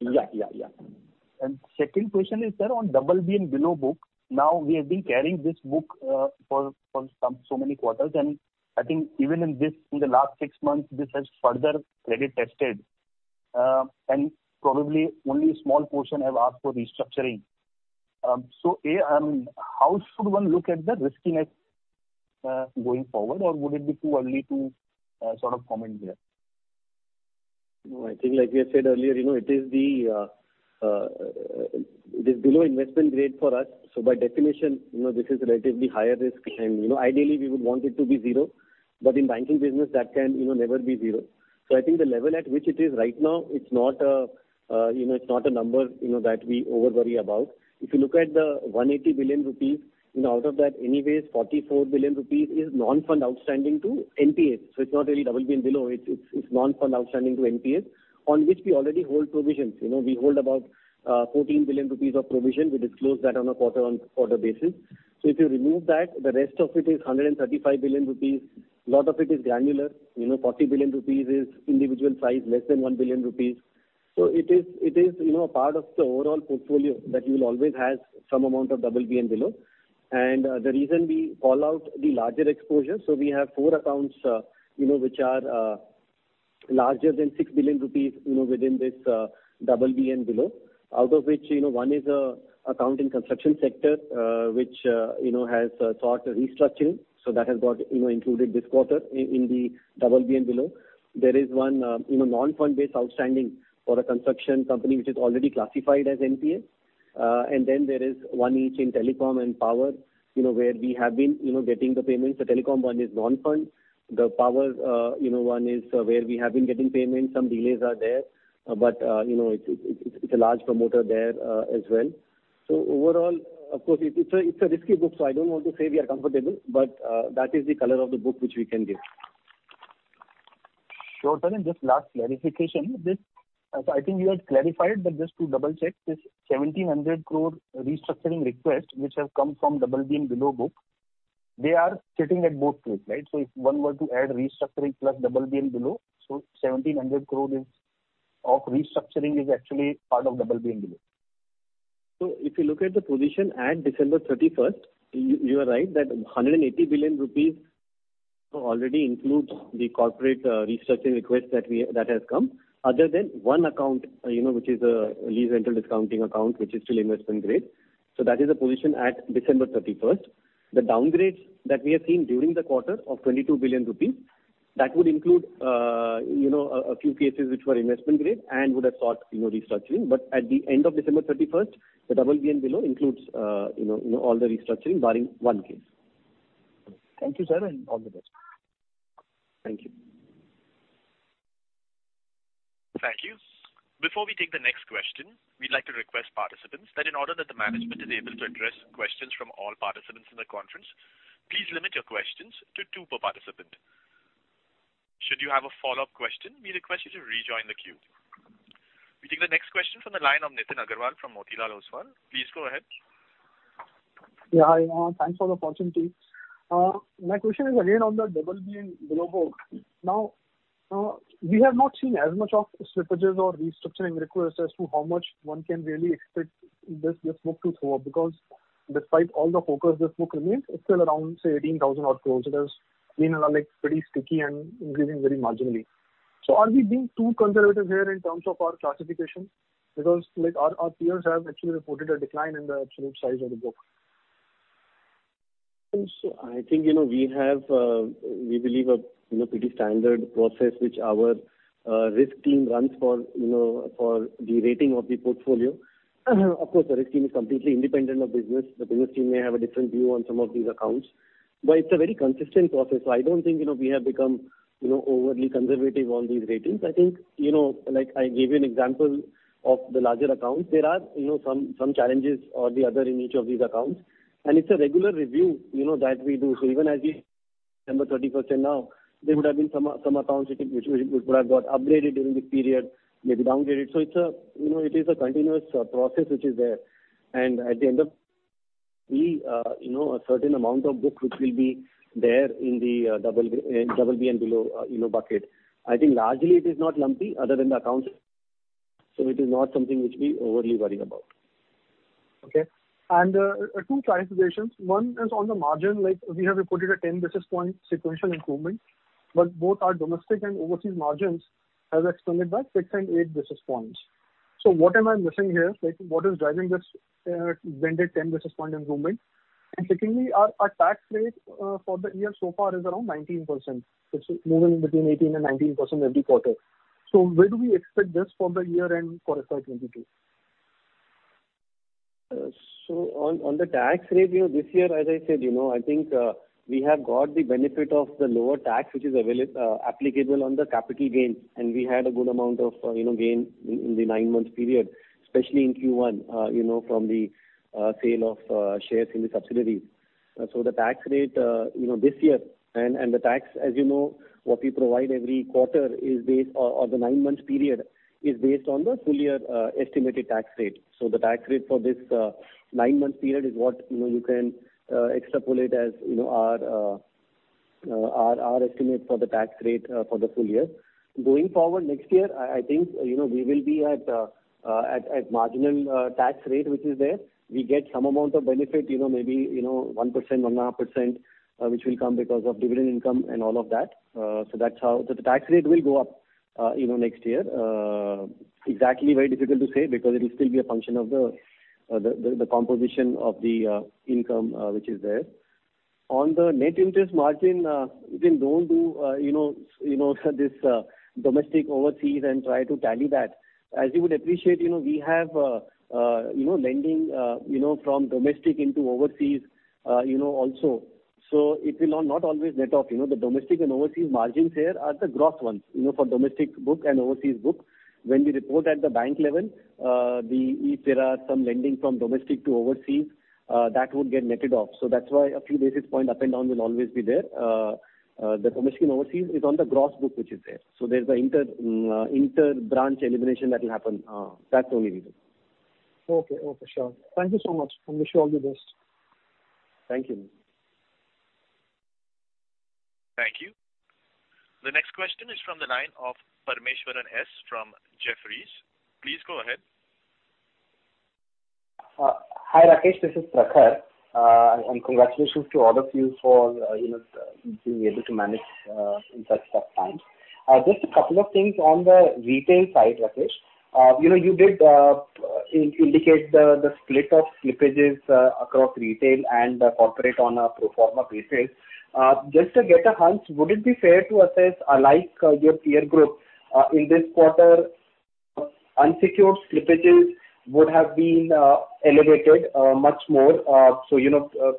Yeah, yeah, yeah. Second question is, Sir, on BB and below book, now we have been carrying this book for so many quarters, and I think even in the last six months, this has further credit tested. And probably only a small portion have asked for restructuring. So how should one look at the riskiness going forward, or would it be too early to sort of comment here? I think, like we have said earlier, it is below investment grade for us. So by definition, this is relatively higher risk, and ideally, we would want it to be zero. But in banking business, that can never be zero. So I think the level at which it is right now, it's not a number that we over worry about. If you look at the 180 billion rupees, out of that, anyways, 44 billion rupees is non-fund outstanding to NPAs. So it's not really BB and below. It's non-fund outstanding to NPAs on which we already hold provisions. We hold about 14 billion rupees of provision. We disclose that on a quarter-on-quarter basis. So if you remove that, the rest of it is 135 billion rupees. A lot of it is granular. 40 billion rupees is individual size, less than 1 billion rupees. So it is a part of the overall portfolio that you will always have some amount of BB and below. And the reason we call out the larger exposure, so we have four accounts which are larger than 6 billion rupees within this BB and below, out of which one is an account in construction sector which has sought restructuring. So that has got included this quarter in the BB and below. There is one non-fund-based outstanding for a construction company which is already classified as NPA. And then there is one each in telecom and power where we have been getting the payments. The telecom one is non-fund. The power one is where we have been getting payments. Some delays are there, but it's a large promoter there as well. So overall, of course, it's a risky book, so I don't want to say we are comfortable, but that is the color of the book which we can give. Short and just last clarification. So I think you had clarified, but just to double-check, this 1,700 crore restructuring request which has come from BB and below book, they are sitting at both points, right? So if one were to add restructuring plus BB and below, so 1,700 crore of restructuring is actually part of BB and below. So if you look at the position at December 31st, you are right that 180 billion rupees already includes the corporate restructuring request that has come, other than one account which is a lease rental discounting account which is still investment grade. So that is the position at December 31st. The downgrades that we have seen during the quarter of 22 billion rupees, that would include a few cases which were investment grade and would have sought restructuring. But at the end of December 31st, the BB and below includes all the restructuring, barring one case. Thank you, sir, and all the best. Thank you. Thank you. Before we take the next question, we'd like to request participants that in order that the management is able to address questions from all participants in the conference, please limit your questions to two per participant. Should you have a follow-up question, we request you to rejoin the queue. We take the next question from the line of Nitin Aggarwal from Motilal Oswal. Please go ahead. Yeah, hi. Thanks for the opportunity. My question is again on the BB and below book. Now, we have not seen as much of slippages or restructuring requests as to how much one can really expect this book to throw up because despite all the focus this book remains, it's still around, say, 18,000 or closer. It has been pretty sticky and increasing very marginally. So are we being too conservative here in terms of our classification? Because our peers have actually reported a decline in the absolute size of the book. I think we believe a pretty standard process which our risk team runs for the rating of the portfolio. Of course, the risk team is completely independent of business. The business team may have a different view on some of these accounts. But it's a very consistent process. So I don't think we have become overly conservative on these ratings. I think I gave you an example of the larger accounts. There are some challenges or the other in each of these accounts. And it's a regular review that we do. So even as we are on December 31st now, there would have been some accounts which would have got upgraded during this period, maybe downgraded. So it is a continuous process which is there. And at the end, there'll be a certain amount of book which will be there in the BB and Below bucket. I think largely it is not lumpy other than the accounts. So it is not something which we overly worry about. Okay. And two clarifications. One is on the margin. We have reported a 10 basis point sequential improvement, but both our domestic and overseas margins have expanded by 6 and 8 basis points. So what am I missing here? What is driving this net 10 basis point improvement? And secondly, our tax rate for the year so far is around 19%. It's moving between 18% and 19% every quarter. So where do we expect this for the year end for FY22? So on the tax ratio this year, as I said, I think we have got the benefit of the lower tax which is applicable on the capital gains. And we had a good amount of gain in the nine-month period, especially in Q1 from the sale of shares in the subsidiaries. So the tax rate this year and the tax, as you know, what we provide every quarter is based on the nine-month period is based on the full-year estimated tax rate. So the tax rate for this nine-month period is what you can extrapolate as our estimate for the tax rate for the full year. Going forward next year, I think we will be at marginal tax rate which is there. We get some amount of benefit, maybe 1%-1.5%, which will come because of dividend income and all of that. So that's how the tax rate will go up next year. Exactly very difficult to say because it will still be a function of the composition of the income which is there. On the net interest margin, we don't do this domestic overseas and try to tally that. As you would appreciate, we have lending from domestic into overseas also. So it will not always net off. The domestic and overseas margins here are the gross ones for domestic book and overseas book. When we report at the bank level, if there are some lending from domestic to overseas, that would get netted off. So that's why a few basis point up and down will always be there. The domestic and overseas is on the gross book which is there. So there's the inter-branch elimination that will happen. That's the only reason. Okay. Oh, for sure. Thank you so much. I wish you all the best. Thank you. Thank you. The next question is from the line of Parmeshwaran S from Jefferies. Please go ahead. Hi, Rakesh. This is Prakhar, and congratulations to all of you for being able to manage in such tough times. Just a couple of things on the retail side, Rakesh. You did indicate the split of slippages across retail and corporate on a pro forma basis. Just to get a hunch, would it be fair to assess, like your peer group, in this quarter, unsecured slippages would have been elevated much more? So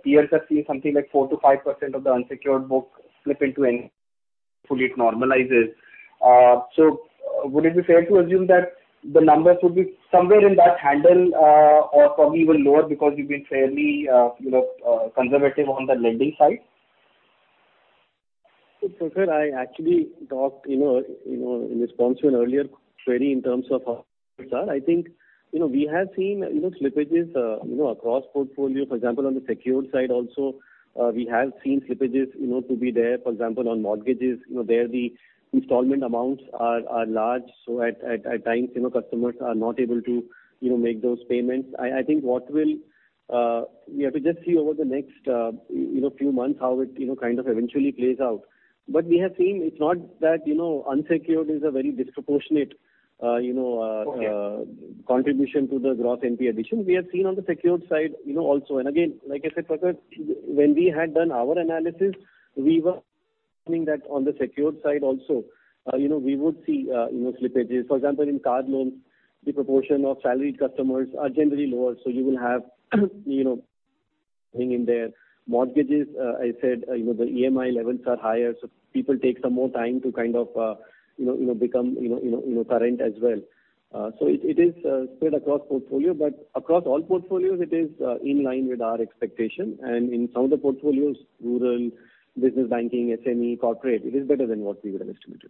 peers have seen something like 4%-5% of the unsecured book slip into NPA fully normalized. So would it be fair to assume that the numbers would be somewhere in that handle or probably even lower because you've been fairly conservative on the lending side? So, sir, I actually talked in response to an earlier query in terms of how things are. I think we have seen slippages across portfolio. For example, on the secured side also, we have seen slippages to be there. For example, on mortgages, there the installment amounts are large. So at times, customers are not able to make those payments. I think what will we have to just see over the next few months how it kind of eventually plays out. But we have seen it's not that unsecured is a very disproportionate contribution to the gross NPA addition. We have seen on the secured side also. And again, like I said, Prakhar, when we had done our analysis, we were assuming that on the secured side also, we would see slippages. For example, in card loans, the proportion of salaried customers are generally lower. So you will have something in there. Mortgages, I said, the EMI levels are higher, so people take some more time to kind of become current as well, so it is spread across portfolio, but across all portfolios, it is in line with our expectation and in some of the portfolios, rural, business banking, SME, corporate, it is better than what we would have estimated.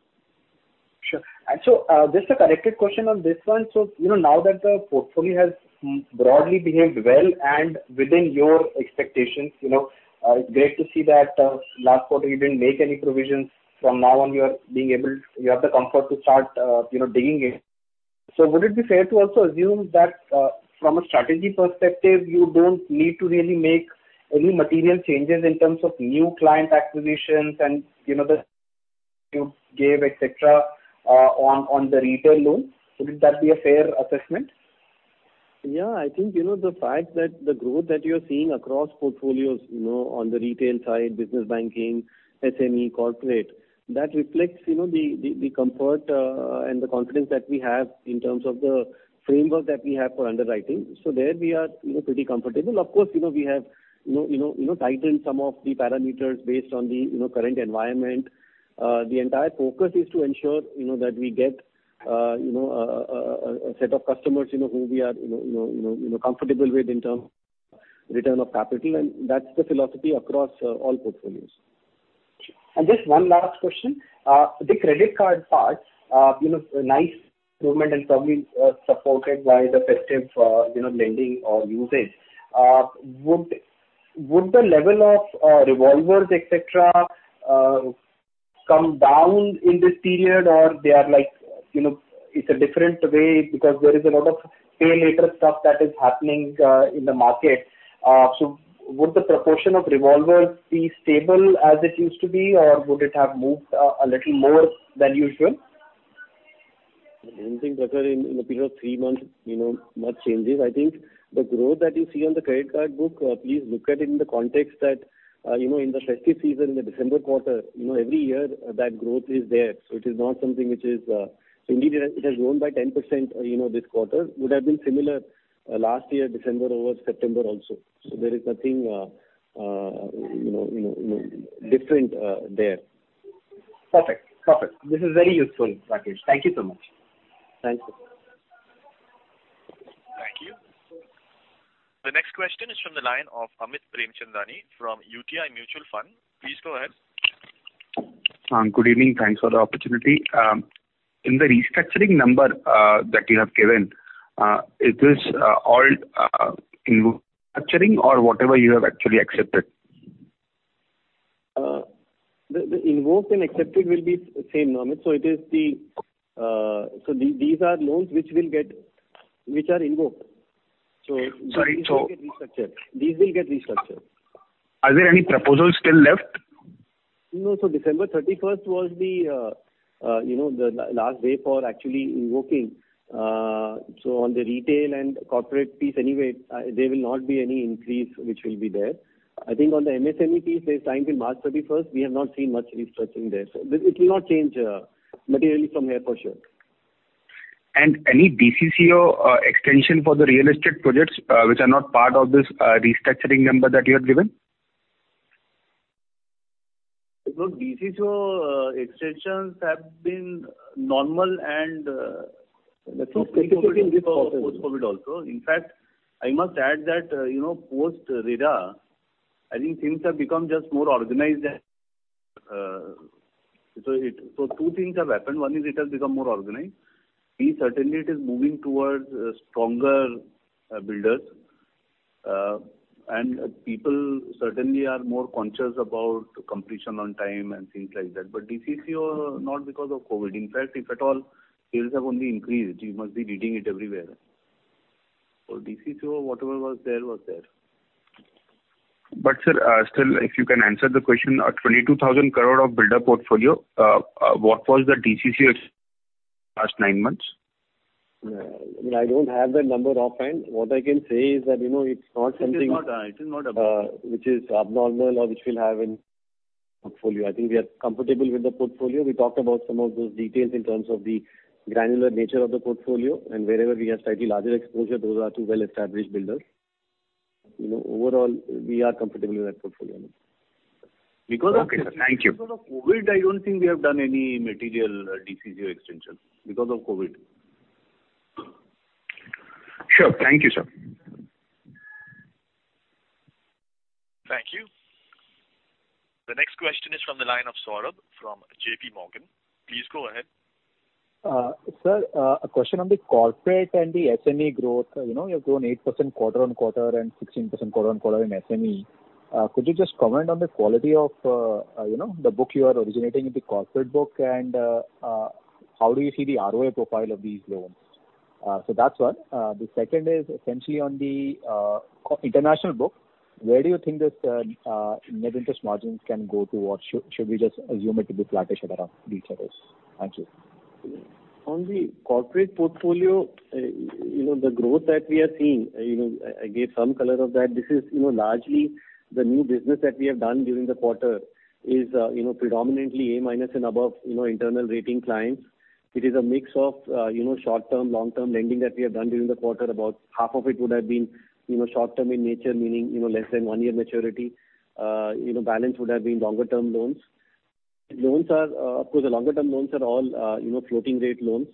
Sure, and so just a corrected question on this one, so now that the portfolio has broadly behaved well and within your expectations, it's great to see that last quarter you didn't make any provisions. From now on, you are being able to you have the comfort to start digging in. So would it be fair to also assume that from a strategy perspective, you don't need to really make any material changes in terms of new client acquisitions and the give, etc., on the retail loan? Would that be a fair assessment? Yeah. I think the fact that the growth that you're seeing across portfolios on the retail side, business banking, SME, corporate, that reflects the comfort and the confidence that we have in terms of the framework that we have for underwriting. So there we are pretty comfortable. Of course, we have tightened some of the parameters based on the current environment. The entire focus is to ensure that we get a set of customers who we are comfortable with in terms of return of capital. And that's the philosophy across all portfolios. And just one last question. The credit card part, nice improvement and probably supported by the festive lending or usage. Would the level of revolvers, etc., come down in this period, or it's a different way because there is a lot of pay later stuff that is happening in the market? So would the proportion of revolvers be stable as it used to be, or would it have moved a little more than usual? I don't think, Prakhar, in a period of three months, much changes. I think the growth that you see on the credit card book. Please look at it in the context that in the festive season in the December quarter, every year that growth is there. So it is not something which is indeed it has grown by 10% this quarter. It would have been similar last year, December over September also. So there is nothing different there. Perfect. Perfect. This is very useful, Rakesh. Thank you so much. Thank you. Thank you. The next question is from the line of Amit Premchandani from UTI Mutual Fund. Please go ahead. Good evening. Thanks for the opportunity. In the restructuring number that you have given, is this all invoked restructuring or whatever you have actually accepted? The invoked and accepted will be the same, Amit. So it is, so these are loans which are invoked. So these will get restructured. These will get restructured. Are there any proposals still left? No. So December 31st was the last day for actually invoking. So on the retail and corporate piece anyway, there will not be any increase which will be there. I think on the MSME piece, there's time till March 31st. We have not seen much restructuring there. So it will not change materially from here for sure. And any DCCO extension for the real estate projects which are not part of this restructuring number that you have given? Because DCCO extensions have been normal and the two things have been post-COVID also. In fact, I must add that post-RERA, I think things have become just more organized. So two things have happened. One is it has become more organized. Certainly, it is moving towards stronger builders. And people certainly are more conscious about completion on time and things like that. But DCCO, not because of COVID. In fact, if at all, sales have only increased. You must be reading it everywhere. For DCCO, whatever was there, was there. But sir, still, if you can answer the question, 22,000 crore of builder portfolio, what was the DCCO last nine months? I don't have that number offhand. What I can say is that it's not something which is abnormal or which will have in portfolio. I think we are comfortable with the portfolio. We talked about some of those details in terms of the granular nature of the portfolio. And wherever we have slightly larger exposure, those are two well-established builders. Overall, we are comfortable with that portfolio. Because of COVID, I don't think we have done any material DCCO extension because of COVID. Sure. Thank you, sir. Thank you. The next question is from the line of Saurabh from JP Morgan. Please go ahead. Sir, a question on the corporate and the SME growth. You have grown eight% quarter on quarter and 16% quarter on quarter in SME. Could you just comment on the quality of the book you are originating in the corporate book and how do you see the ROA profile of these loans? So that's one. The second is essentially on the international book. Where do you think this net interest margins can go towards? Should we just assume it to be flattish at around these levels? Thank you. On the corporate portfolio, the growth that we have seen, I gave some color of that. This is largely the new business that we have done during the quarter, is predominantly A- and above internal rating clients. It is a mix of short-term, long-term lending that we have done during the quarter. About half of it would have been short-term in nature, meaning less than one-year maturity. Balance would have been longer-term loans. Of course, the longer-term loans are all floating-rate loans.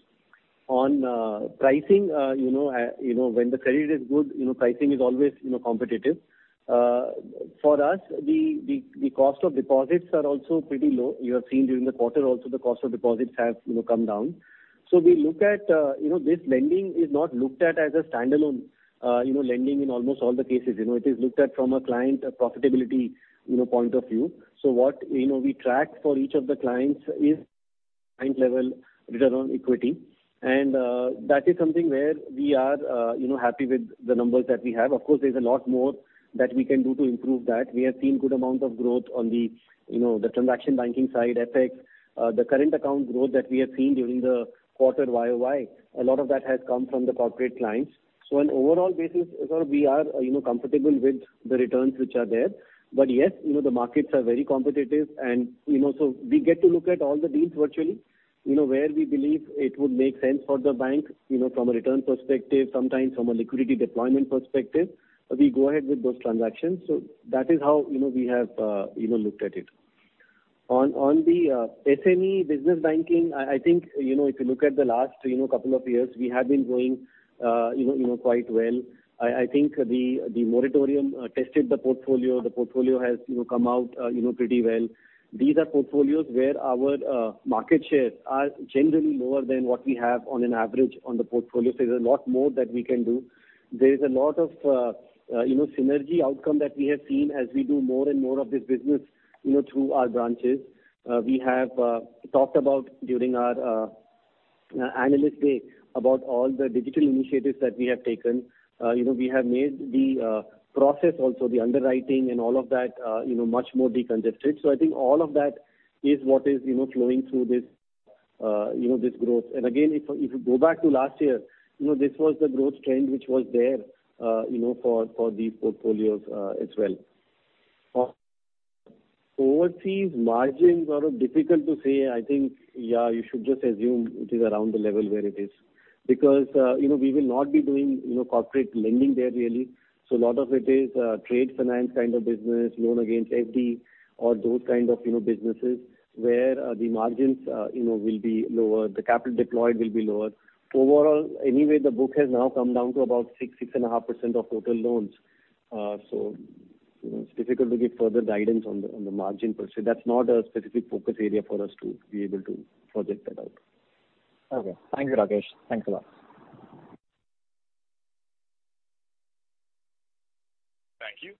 On pricing, when the credit is good, pricing is always competitive. For us, the cost of deposits are also pretty low. You have seen during the quarter also the cost of deposits have come down. So we look at this lending is not looked at as a standalone lending in almost all the cases. It is looked at from a client profitability point of view. So what we track for each of the clients is client-level return on equity. And that is something where we are happy with the numbers that we have. Of course, there's a lot more that we can do to improve that. We have seen good amounts of growth on the transaction banking side, FX. The current account growth that we have seen during the quarter YOY, a lot of that has come from the corporate clients. So on an overall basis, we are comfortable with the returns which are there. But yes, the markets are very competitive. And so we get to look at all the deals virtually where we believe it would make sense for the bank from a return perspective, sometimes from a liquidity deployment perspective. We go ahead with those transactions. So that is how we have looked at it. On the SME business banking, I think if you look at the last couple of years, we have been going quite well. I think the moratorium tested the portfolio. The portfolio has come out pretty well. These are portfolios where our market shares are generally lower than what we have on an average on the portfolio. So there's a lot more that we can do. There is a lot of synergy outcome that we have seen as we do more and more of this business through our branches. We have talked about during our Analyst Day about all the digital initiatives that we have taken. We have made the process, also the underwriting and all of that much more decongested. So I think all of that is what is flowing through this growth. And again, if you go back to last year, this was the growth trend which was there for these portfolios as well. Overseas margins are difficult to say. I think, yeah, you should just assume it is around the level where it is because we will not be doing corporate lending there really. So a lot of it is trade finance kind of business, loan against FD, or those kind of businesses where the margins will be lower. The capital deployed will be lower. Overall, anyway, the book has now come down to about 6-6.5% of total loans. So it's difficult to give further guidance on the margin per se. That's not a specific focus area for us to be able to project that out. Okay. Thank you, Rakesh. Thanks a lot. Thank you.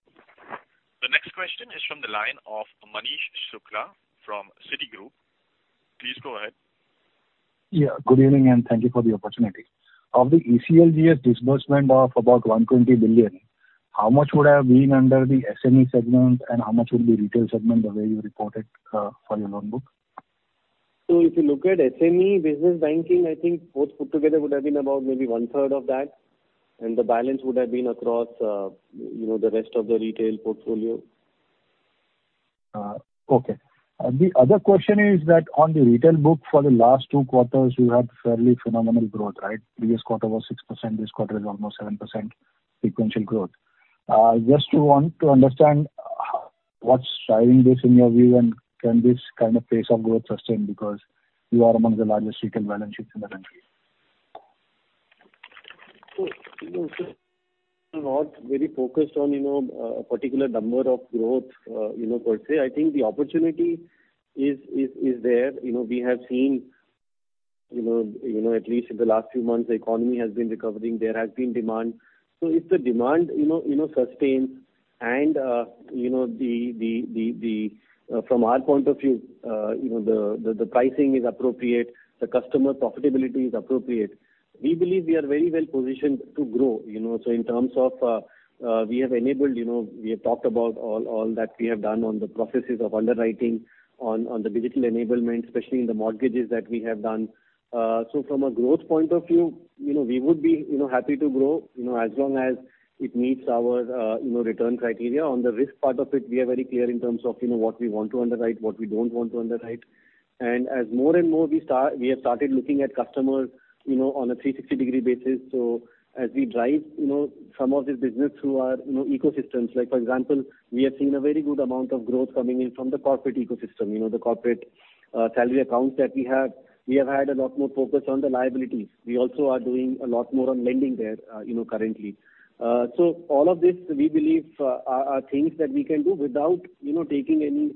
The next question is from the line of Manish Shukla from Citigroup. Please go ahead. Yeah. Good evening and thank you for the opportunity. Of the ECLGS disbursement of about 120 billion, how much would have been under the SME segment and how much would be retail segment the way you reported for your loan book? So if you look at SME business banking, I think both put together would have been about maybe one-third of that. And the balance would have been across the rest of the retail portfolio. Okay. The other question is that on the retail book for the last two quarters, you had fairly phenomenal growth, right? Previous quarter was 6%. This quarter is almost 7% sequential growth. Just to understand what's driving this in your view and can this kind of pace of growth sustain because you are among the largest retail balance sheets in the country? So we are not very focused on a particular number of growth per se. I think the opportunity is there. We have seen at least in the last few months, the economy has been recovering. There has been demand. So if the demand sustains and from our point of view, the pricing is appropriate, the customer profitability is appropriate, we believe we are very well positioned to grow. So in terms of we have enabled, we have talked about all that we have done on the processes of underwriting, on the digital enablement, especially in the mortgages that we have done. So from a growth point of view, we would be happy to grow as long as it meets our return criteria. On the risk part of it, we are very clear in terms of what we want to underwrite, what we don't want to underwrite. And as more and more we start, we have started looking at customers on a 360-degree basis. So as we drive some of this business through our ecosystems, like for example, we have seen a very good amount of growth coming in from the corporate ecosystem, the corporate salary accounts that we have. We have had a lot more focus on the liabilities. We also are doing a lot more on lending there currently. So all of this, we believe, are things that we can do without taking any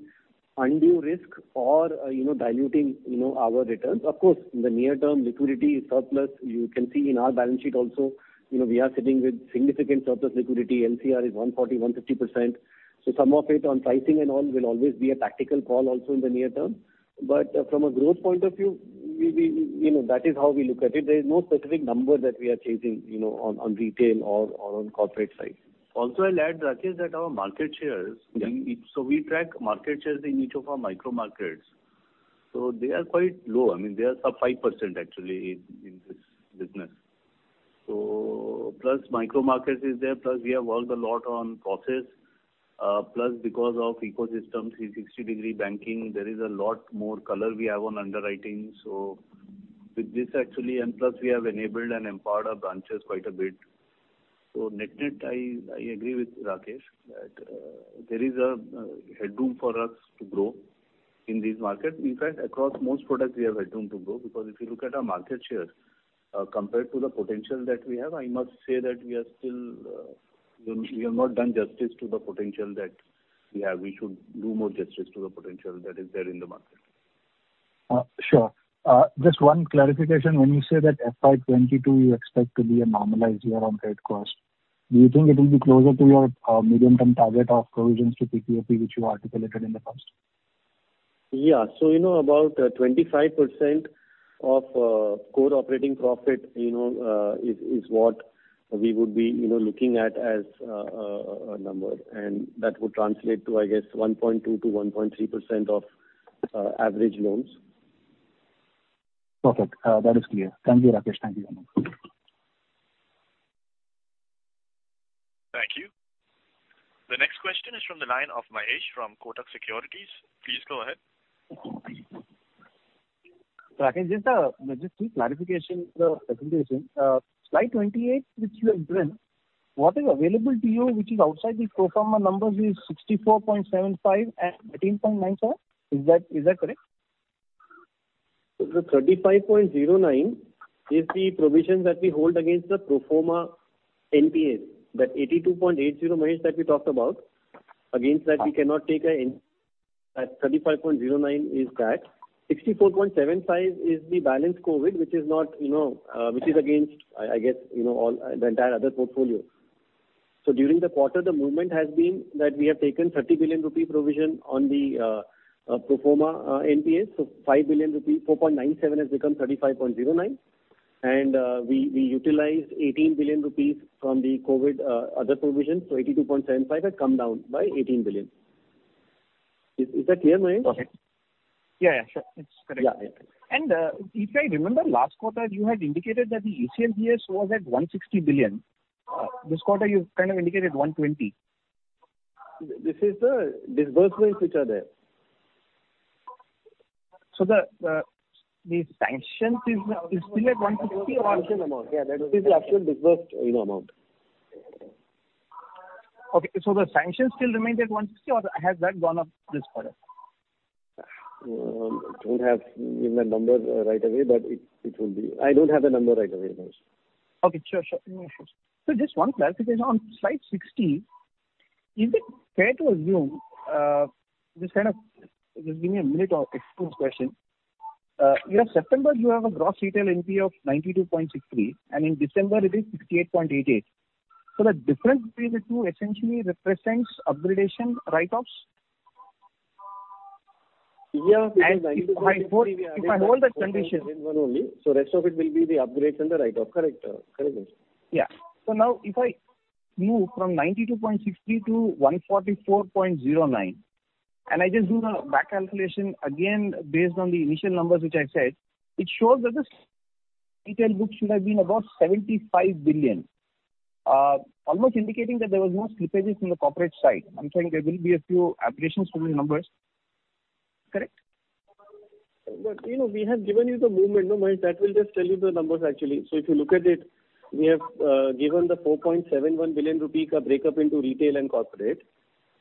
undue risk or diluting our returns. Of course, in the near term, liquidity is surplus. You can see in our balance sheet also, we are sitting with significant surplus liquidity. LCR is 140%-150%. So some of it on pricing and all will always be a tactical call also in the near term. But from a growth point of view, that is how we look at it. There is no specific number that we are chasing on retail or on corporate side. Also, I'll add, Rakesh, that our market shares, so we track market shares in each of our micro markets. So they are quite low. I mean, they are sub 5% actually in this business. So plus micro markets is there, plus we have worked a lot on process, plus because of ecosystem, 360-degree banking, there is a lot more color we have on underwriting. So with this actually, and plus we have enabled and empowered our branches quite a bit. So net-net, I agree with Rakesh that there is a headroom for us to grow in these markets. In fact, across most products, we have headroom to grow because if you look at our market shares compared to the potential that we have, I must say that we are still, we have not done justice to the potential that we have. We should do more justice to the potential that is there in the market. Sure. Just one clarification. When you say that FY22, you expect to be a normalized year on credit cost, do you think it will be closer to your medium-term target of provisions to PPOP, which you articulated in the past? Yeah. So about 25% of core operating profit is what we would be looking at as a number. And that would translate to, I guess, 1.2%-1.3% of average loans. Perfect. That is clear. Thank you, Rakesh. Thank you. Thank you. The next question is from the line of Mahesh from Kotak Securities. Please go ahead. Rakesh, just a quick clarification for the presentation. Slide 28, which you have drawn, what is available to you, which is outside the pro forma numbers, is 64.75 and 13.95. Is that correct? So the 35.09 is the provision that we hold against the pro forma NPA. That 82.80, Mahesh, that we talked about, against that we have taken 35.09. Is that. 64.75 is the balance COVID, which is against, I guess, the entire other portfolio. So during the quarter, the movement has been that we have taken 30 billion rupee provision on the pro forma NPA. So 5 billion rupee, 4.97 has become 35.09. And we utilized 18 billion rupees from the COVID other provision. So 82.75 had come down by 18 billion. Is that clear, Mahesh? Yeah. Yeah. Sure. It's correct. And if I remember, last quarter, you had indicated that the ECLGS was at 160 billion. This quarter, you've kind of indicated 120. This is the disbursements which are there. So the sanction is still at 160 or? Yeah. That is the actual disbursed amount. Okay. So the sanction still remains at 160 or has that gone up this quarter? I don't have the number right away, but it will be. I don't have the number right away, Mahesh. Okay. Sure. Sure. So just one clarification. On slide 60, is it fair to assume this kind of, this being a minute or exclusive question, in September, you have a gross retail NP of 92.63, and in December, it is 68.88. So the difference between the two essentially represents upgradation write-offs? Yeah. If I hold that condition. One only. So rest of it will be the upgrades and the write-off. Correct. Correct, Mahesh. Yeah. So now, if I move from 92.63 to 144.09, and I just do the back calculation again based on the initial numbers which I said, it shows that the retail book should have been about 75 billion, almost indicating that there was no slippages on the corporate side. I'm saying there will be a few aberrations to the numbers. Correct? But we have given you the movement, Mahesh. That will just tell you the numbers actually. So if you look at it, we have given the 4.71 billion rupee breakup into retail and corporate.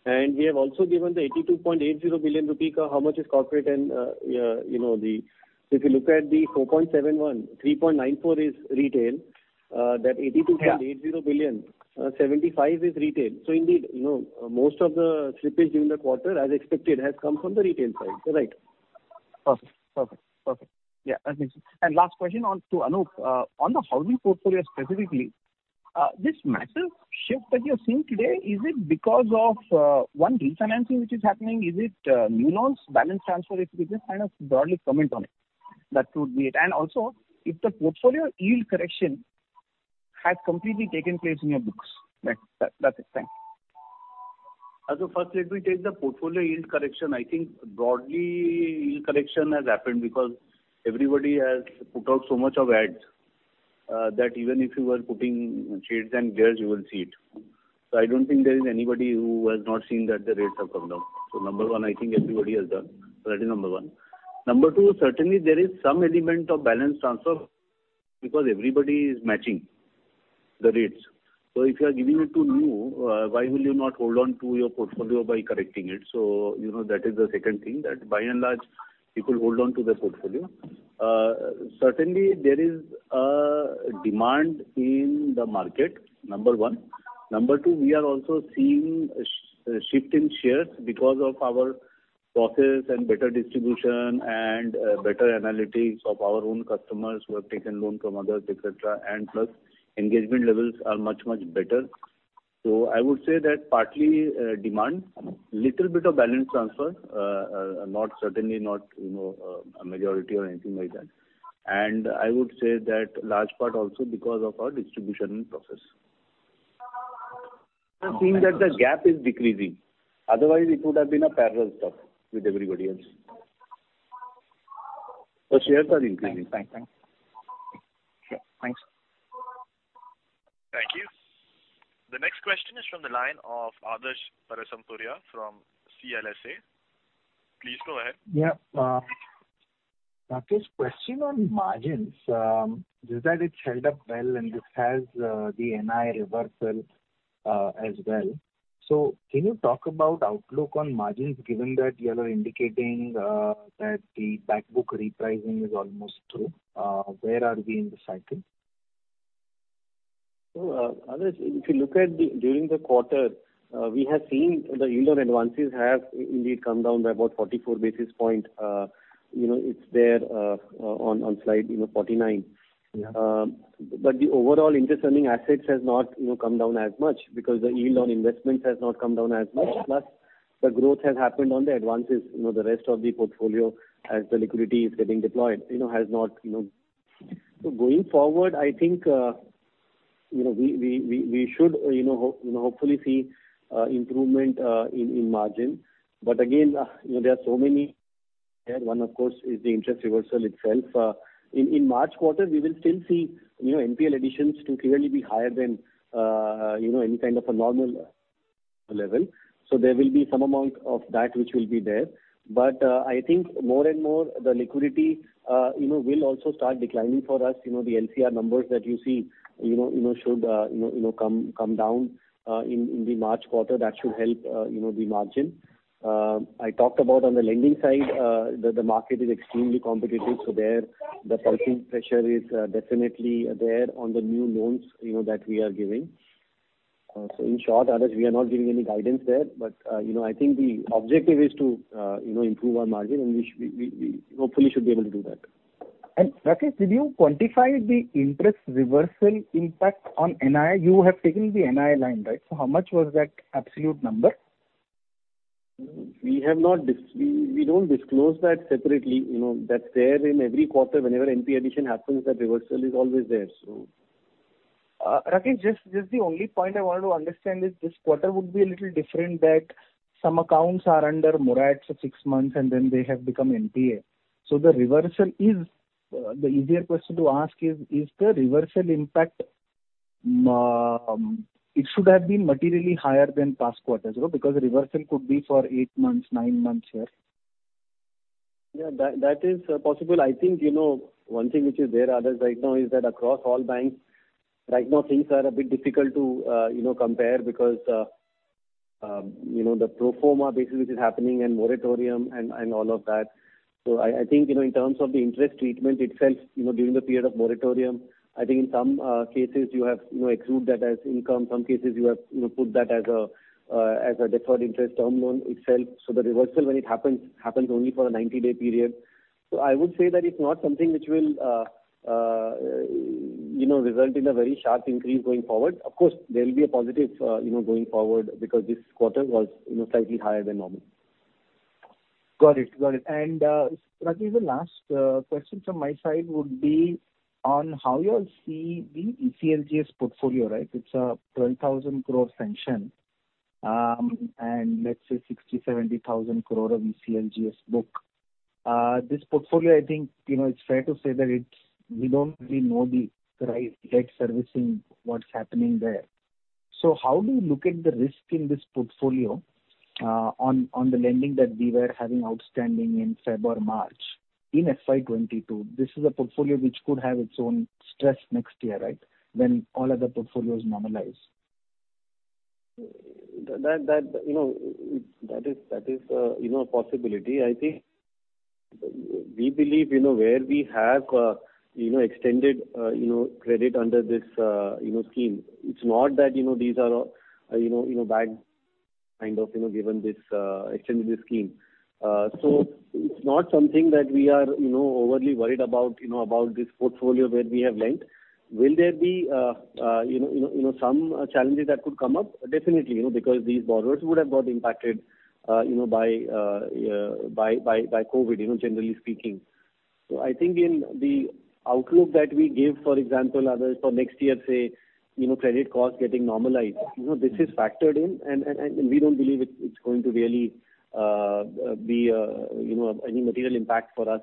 And we have also given the 82.80 billion rupee how much is corporate and then if you look at the 4.71 billion, 3.94 billion is retail. That 82.80 billion, 75 billion is retail. So indeed, most of the slippage during the quarter, as expected, has come from the retail side. You're right. Perfect. Perfect. Perfect. Yeah. That makes sense. And last question to Anup. On the housing portfolio specifically, this massive shift that you're seeing today, is it because of one refinancing which is happening? Is it new loans, balance transfer? If you could just kind of broadly comment on it, that would be it. And also, if the portfolio yield correction has completely taken place in your books. That's it. Thanks. First, let me take the portfolio yield correction. I think broadly, yield correction has happened because everybody has put out so much of ads that even if you were putting [shades and gears], you will see it. So I don't think there is anybody who has not seen that the rates have come down. So, number one, I think everybody has done. So that is number one. Number two, certainly there is some element of balance transfer because everybody is matching the rates. So if you are giving it to new, why will you not hold on to your portfolio by correcting it? So that is the second thing that by and large, people hold on to their portfolio. Certainly, there is a demand in the market, number one. Number two, we are also seeing a shift in shares because of our process and better distribution and better analytics of our own customers who have taken loan from others, etc. And plus, engagement levels are much, much better. So I would say that partly demand, little bit of balance transfer, certainly not a majority or anything like that. And I would say that large part also because of our distribution process. I've seen that the gap is decreasing. Otherwise, it would have been a parallel stock with everybody else. but shares are increasing. Thanks. Thanks. Sure. Thanks. Thank you. The next question is from the line of Adarsh Parasrampuria from CLSA. Please go ahead. Yeah. Rakesh, question on margins. You said it's held up well and it has the NI reversal as well. so can you talk about outlook on margins given that you are indicating that the backbook repricing is almost through? Where are we in the cycle? So Adarsh, if you look at during the quarter, we have seen the yield on advances have indeed come down by about 44 basis points. It's there on slide 49. but the overall interest-earning assets have not come down as much because the yield on investments has not come down as much. Plus, the growth has happened on the advances. The rest of the portfolio, as the liquidity is getting deployed, has not. So going forward, I think we should hopefully see improvement in margin. But again, there are so many there. One, of course, is the interest reversal itself. In March quarter, we will still see NPL additions to clearly be higher than any kind of a normal level. So there will be some amount of that which will be there. But I think more and more, the liquidity will also start declining for us. The LCR numbers that you see should come down in the March quarter. That should help the margin. I talked about on the lending side, the market is extremely competitive. So there, the pricing pressure is definitely there on the new loans that we are giving. So in short, Adarsh, we are not giving any guidance there. But I think the objective is to improve our margin, and we hopefully should be able to do that. And Rakesh, did you quantify the interest reversal impact on NI? You have taken the NI line, right? So how much was that absolute number? We don't disclose that separately. That's there in every quarter. Whenever NP addition happens, that reversal is always there. So Rakesh, just the only point I wanted to understand is this quarter would be a little different that some accounts are under moratoriums for six months, and then they have become NPA. So the reversal is the easier question to ask is, is the reversal impact it should have been materially higher than past quarters because reversal could be for eight months, nine months here? Yeah. That is possible. I think one thing which is there, Adarsh, right now is that across all banks, right now, things are a bit difficult to compare because the pro forma basis which is happening and moratorium and all of that, so I think in terms of the interest treatment itself, during the period of moratorium, I think in some cases, you have excluded that as income. Some cases, you have put that as a deferred interest term loan itself, so the reversal, when it happens, happens only for a 90-day period, so I would say that it's not something which will result in a very sharp increase going forward. Of course, there will be a positive going forward because this quarter was slightly higher than normal. Got it. Got it. And Rakesh, the last question from my side would be on how you all see the ECLGS portfolio, right? It's 12,000 crore sanction and let's say 60-70 thousand crore of ECLGS book. This portfolio, I think it's fair to say that we don't really know the right debt servicing, what's happening there. So how do you look at the risk in this portfolio on the lending that we were having outstanding in February or March in FY22? This is a portfolio which could have its own stress next year, right, when all other portfolios normalize? That is a possibility. I think we believe where we have extended credit under this scheme. It's not that these are bad kind of given this extended scheme. So it's not something that we are overly worried about, about this portfolio where we have lent. Will there be some challenges that could come up? Definitely, because these borrowers would have got impacted by COVID, generally speaking. So I think in the outlook that we give, for example, for next year, say, credit costs getting normalized, this is factored in, and we don't believe it's going to really be any material impact for us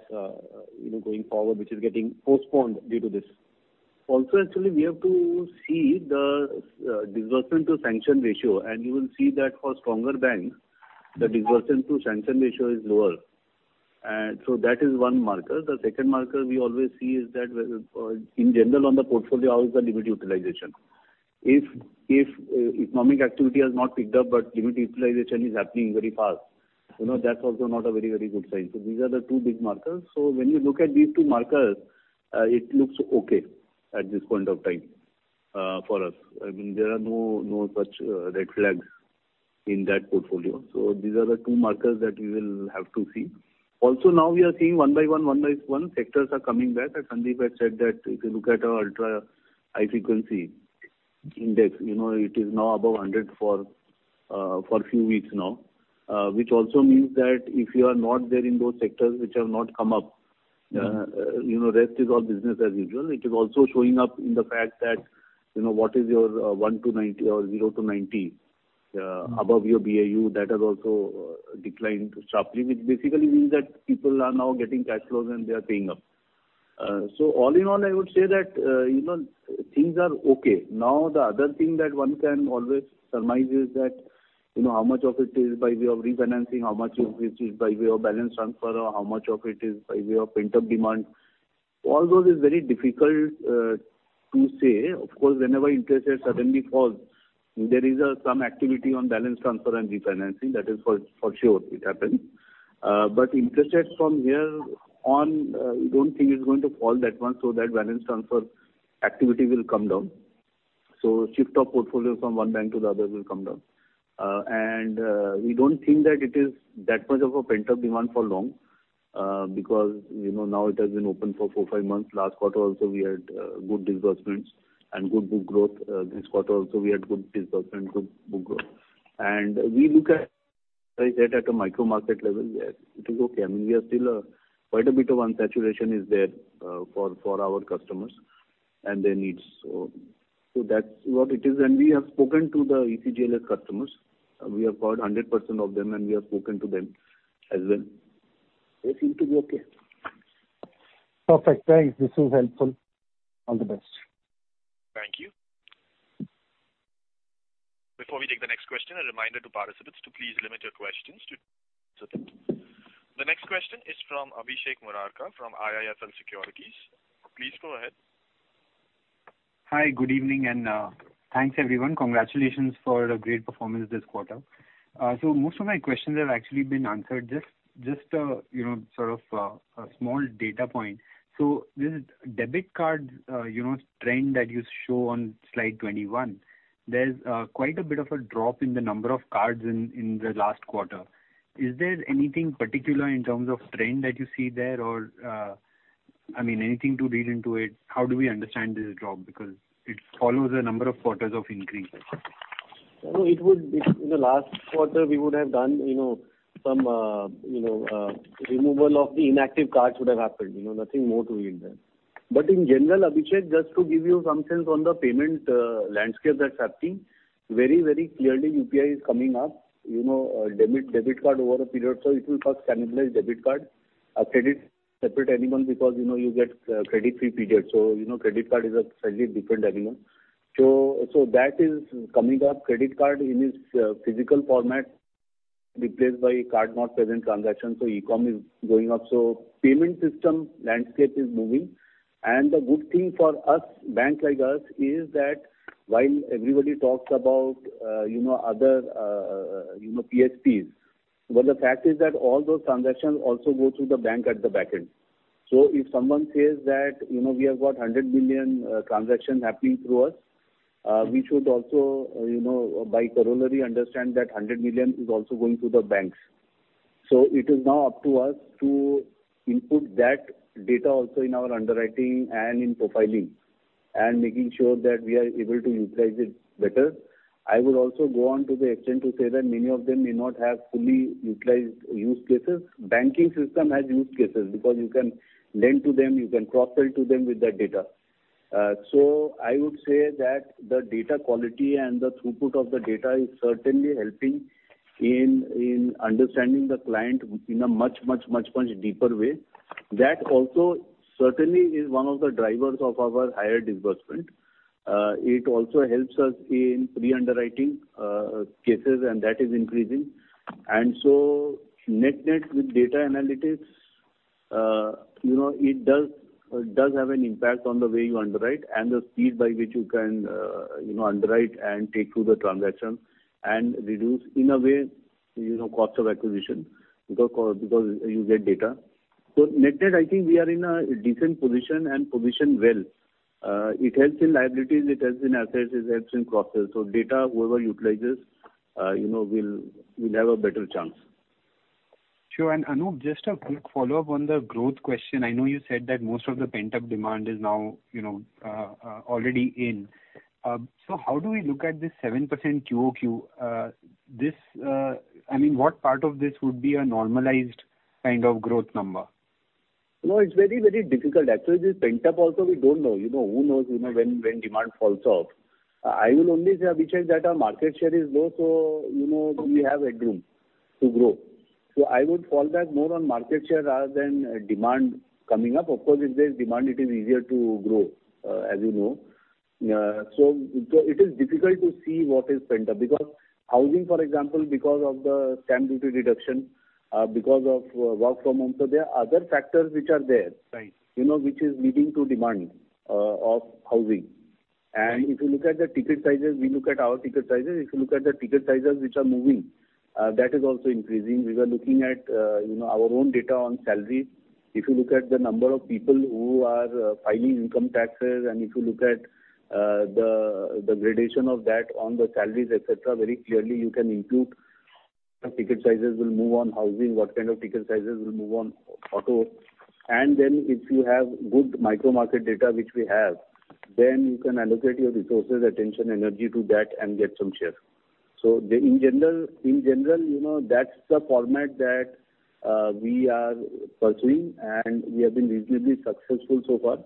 going forward, which is getting postponed due to this. Also, actually, we have to see the disbursement to sanction ratio, and you will see that for stronger banks, the disbursement to sanction ratio is lower. So that is one marker. The second marker we always see is that in general, on the portfolio, how is the limit utilization? If economic activity has not picked up, but limit utilization is happening very fast, that's also not a very, very good sign. So these are the two big markers. So when you look at these two markers, it looks okay at this point of time for us. I mean, there are no such red flags in that portfolio. So these are the two markers that we will have to see. Also, now we are seeing one by one, one by one, sectors are coming back. As Sandeep had said, that if you look at our ultra high frequency index, it is now above 100 for a few weeks now, which also means that if you are not there in those sectors which have not come up, the rest is all business as usual. It is also showing up in the fact that what is your 1 to 90 or 0 to 90 above your BAU, that has also declined sharply, which basically means that people are now getting cash flows and they are paying up. So all in all, I would say that things are okay. Now, the other thing that one can always surmise is that how much of it is by way of refinancing, how much of it is by way of balance transfer, or how much of it is by way of interim demand. All those are very difficult to say. Of course, whenever interest rate suddenly falls, there is some activity on balance transfer and refinancing. That is for sure which happens. But interest rates from here on, we don't think it's going to fall that much so that balance transfer activity will come down. So shift of portfolio from one bank to the other will come down. And we don't think that it is that much of a pent-up demand for long because now it has been open for four, five months. Last quarter also, we had good disbursements and good book growth. This quarter also, we had good disbursement, good book growth, and we look at it at a micro market level, yes, it is okay. I mean, we are still quite a bit of unsaturation is there for our customers and their needs. So that's what it is, and we have spoken to the ECLGS customers. We have called 100% of them, and we have spoken to them as well. They seem to be okay. Perfect. Thanks. This was helpful. All the best. Thank you. Before we take the next question, a reminder to participants to please limit your questions to. The next question is from Abhishek Murarka from IIFL Securities. Please go ahead. Hi, good evening, and thanks, everyone. Congratulations for a great performance this quarter. So most of my questions have actually been answered. Just sort of a small data point. So this debit card trend that you show on slide 21, there's quite a bit of a drop in the number of cards in the last quarter. Is there anything particular in terms of trend that you see there or, I mean, anything to read into it? How do we understand this drop? Because it follows a number of quarters of increase. So it would be in the last quarter, we would have done some removal of the inactive cards would have happened. Nothing more to read there. But in general, Abhishek, just to give you some sense on the payment landscape that's happening, very, very clearly, UPI is coming up. Debit card over a period of time, it will first cannibalize debit card. A credit separate anymore because you get credit-free period. So credit card is a slightly different anymore. So that is coming up. Credit card in its physical format replaced by card-not-present transaction. So e-com is going up. So payment system landscape is moving. And the good thing for us, banks like us, is that while everybody talks about other PSPs, well, the fact is that all those transactions also go through the bank at the back end. So if someone says that we have got 100 million transactions happening through us, we should also, by corollary, understand that 100 million is also going through the banks. So it is now up to us to input that data also in our underwriting and in profiling and making sure that we are able to utilize it better. I would also go on to the extent to say that many of them may not have fully utilized use cases. Banking system has use cases because you can lend to them. You can cross-sell to them with that data. So I would say that the data quality and the throughput of the data is certainly helping in understanding the client in a much, much, much, much deeper way. That also certainly is one of the drivers of our higher disbursement. It also helps us in pre-underwriting cases, and that is increasing. And so net-net, with data analytics, it does have an impact on the way you underwrite and the speed by which you can underwrite and take through the transaction and reduce, in a way, cost of acquisition because you get data. So net-net, I think we are in a decent position and position well. It helps in liabilities. It helps in assets. It helps in cross-sell. So data, whoever utilizes, will have a better chance. Sure. And Anup, just a quick follow-up on the growth question. I know you said that most of the pent-up demand is now already in. So how do we look at this 7% QOQ? I mean, what part of this would be a normalized kind of growth number? No, it's very, very difficult. Actually, this pent-up also, we don't know. Who knows when demand falls off? I will only say, Abhishek, that our market share is low, so we have headroom to grow. So I would fall back more on market share rather than demand coming up. Of course, if there's demand, it is easier to grow, as you know. So it is difficult to see what is pent-up because housing, for example, because of the stamp duty reduction, because of work from home. So there are other factors which are there, which is leading to demand of housing. And if you look at the ticket sizes, we look at our ticket sizes. If you look at the ticket sizes which are moving, that is also increasing. We were looking at our own data on salaries. If you look at the number of people who are filing income taxes, and if you look at the gradation of that on the salaries, etc., very clearly, you can input the ticket sizes will move on housing, what kind of ticket sizes will move on auto. And then if you have good micro market data, which we have, then you can allocate your resources, attention, energy to that and get some share. So in general, that's the format that we are pursuing, and we have been reasonably successful so far.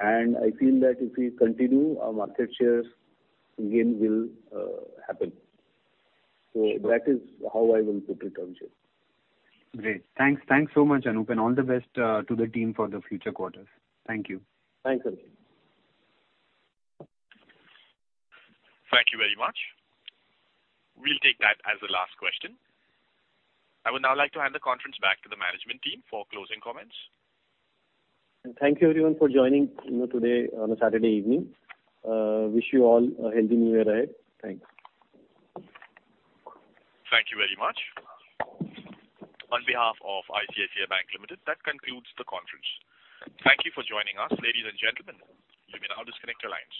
And I feel that if we continue, our market share again will happen. So that is how I will put it, Abhishek. Great. Thanks. Thanks so much, Anup, and all the best to the team for the future quarters. Thank you. Thanks, Abhishek. Thank you very much. We'll take that as the last question. I would now like to hand the conference back to the management team for closing comments. And thank you, everyone, for joining today on a Saturday evening. Wish you all a healthy New Year ahead. Thanks. Thank you very much. On behalf of ICICI Bank Limited, that concludes the conference. Thank you for joining us, ladies and gentlemen. You may now disconnect your lines.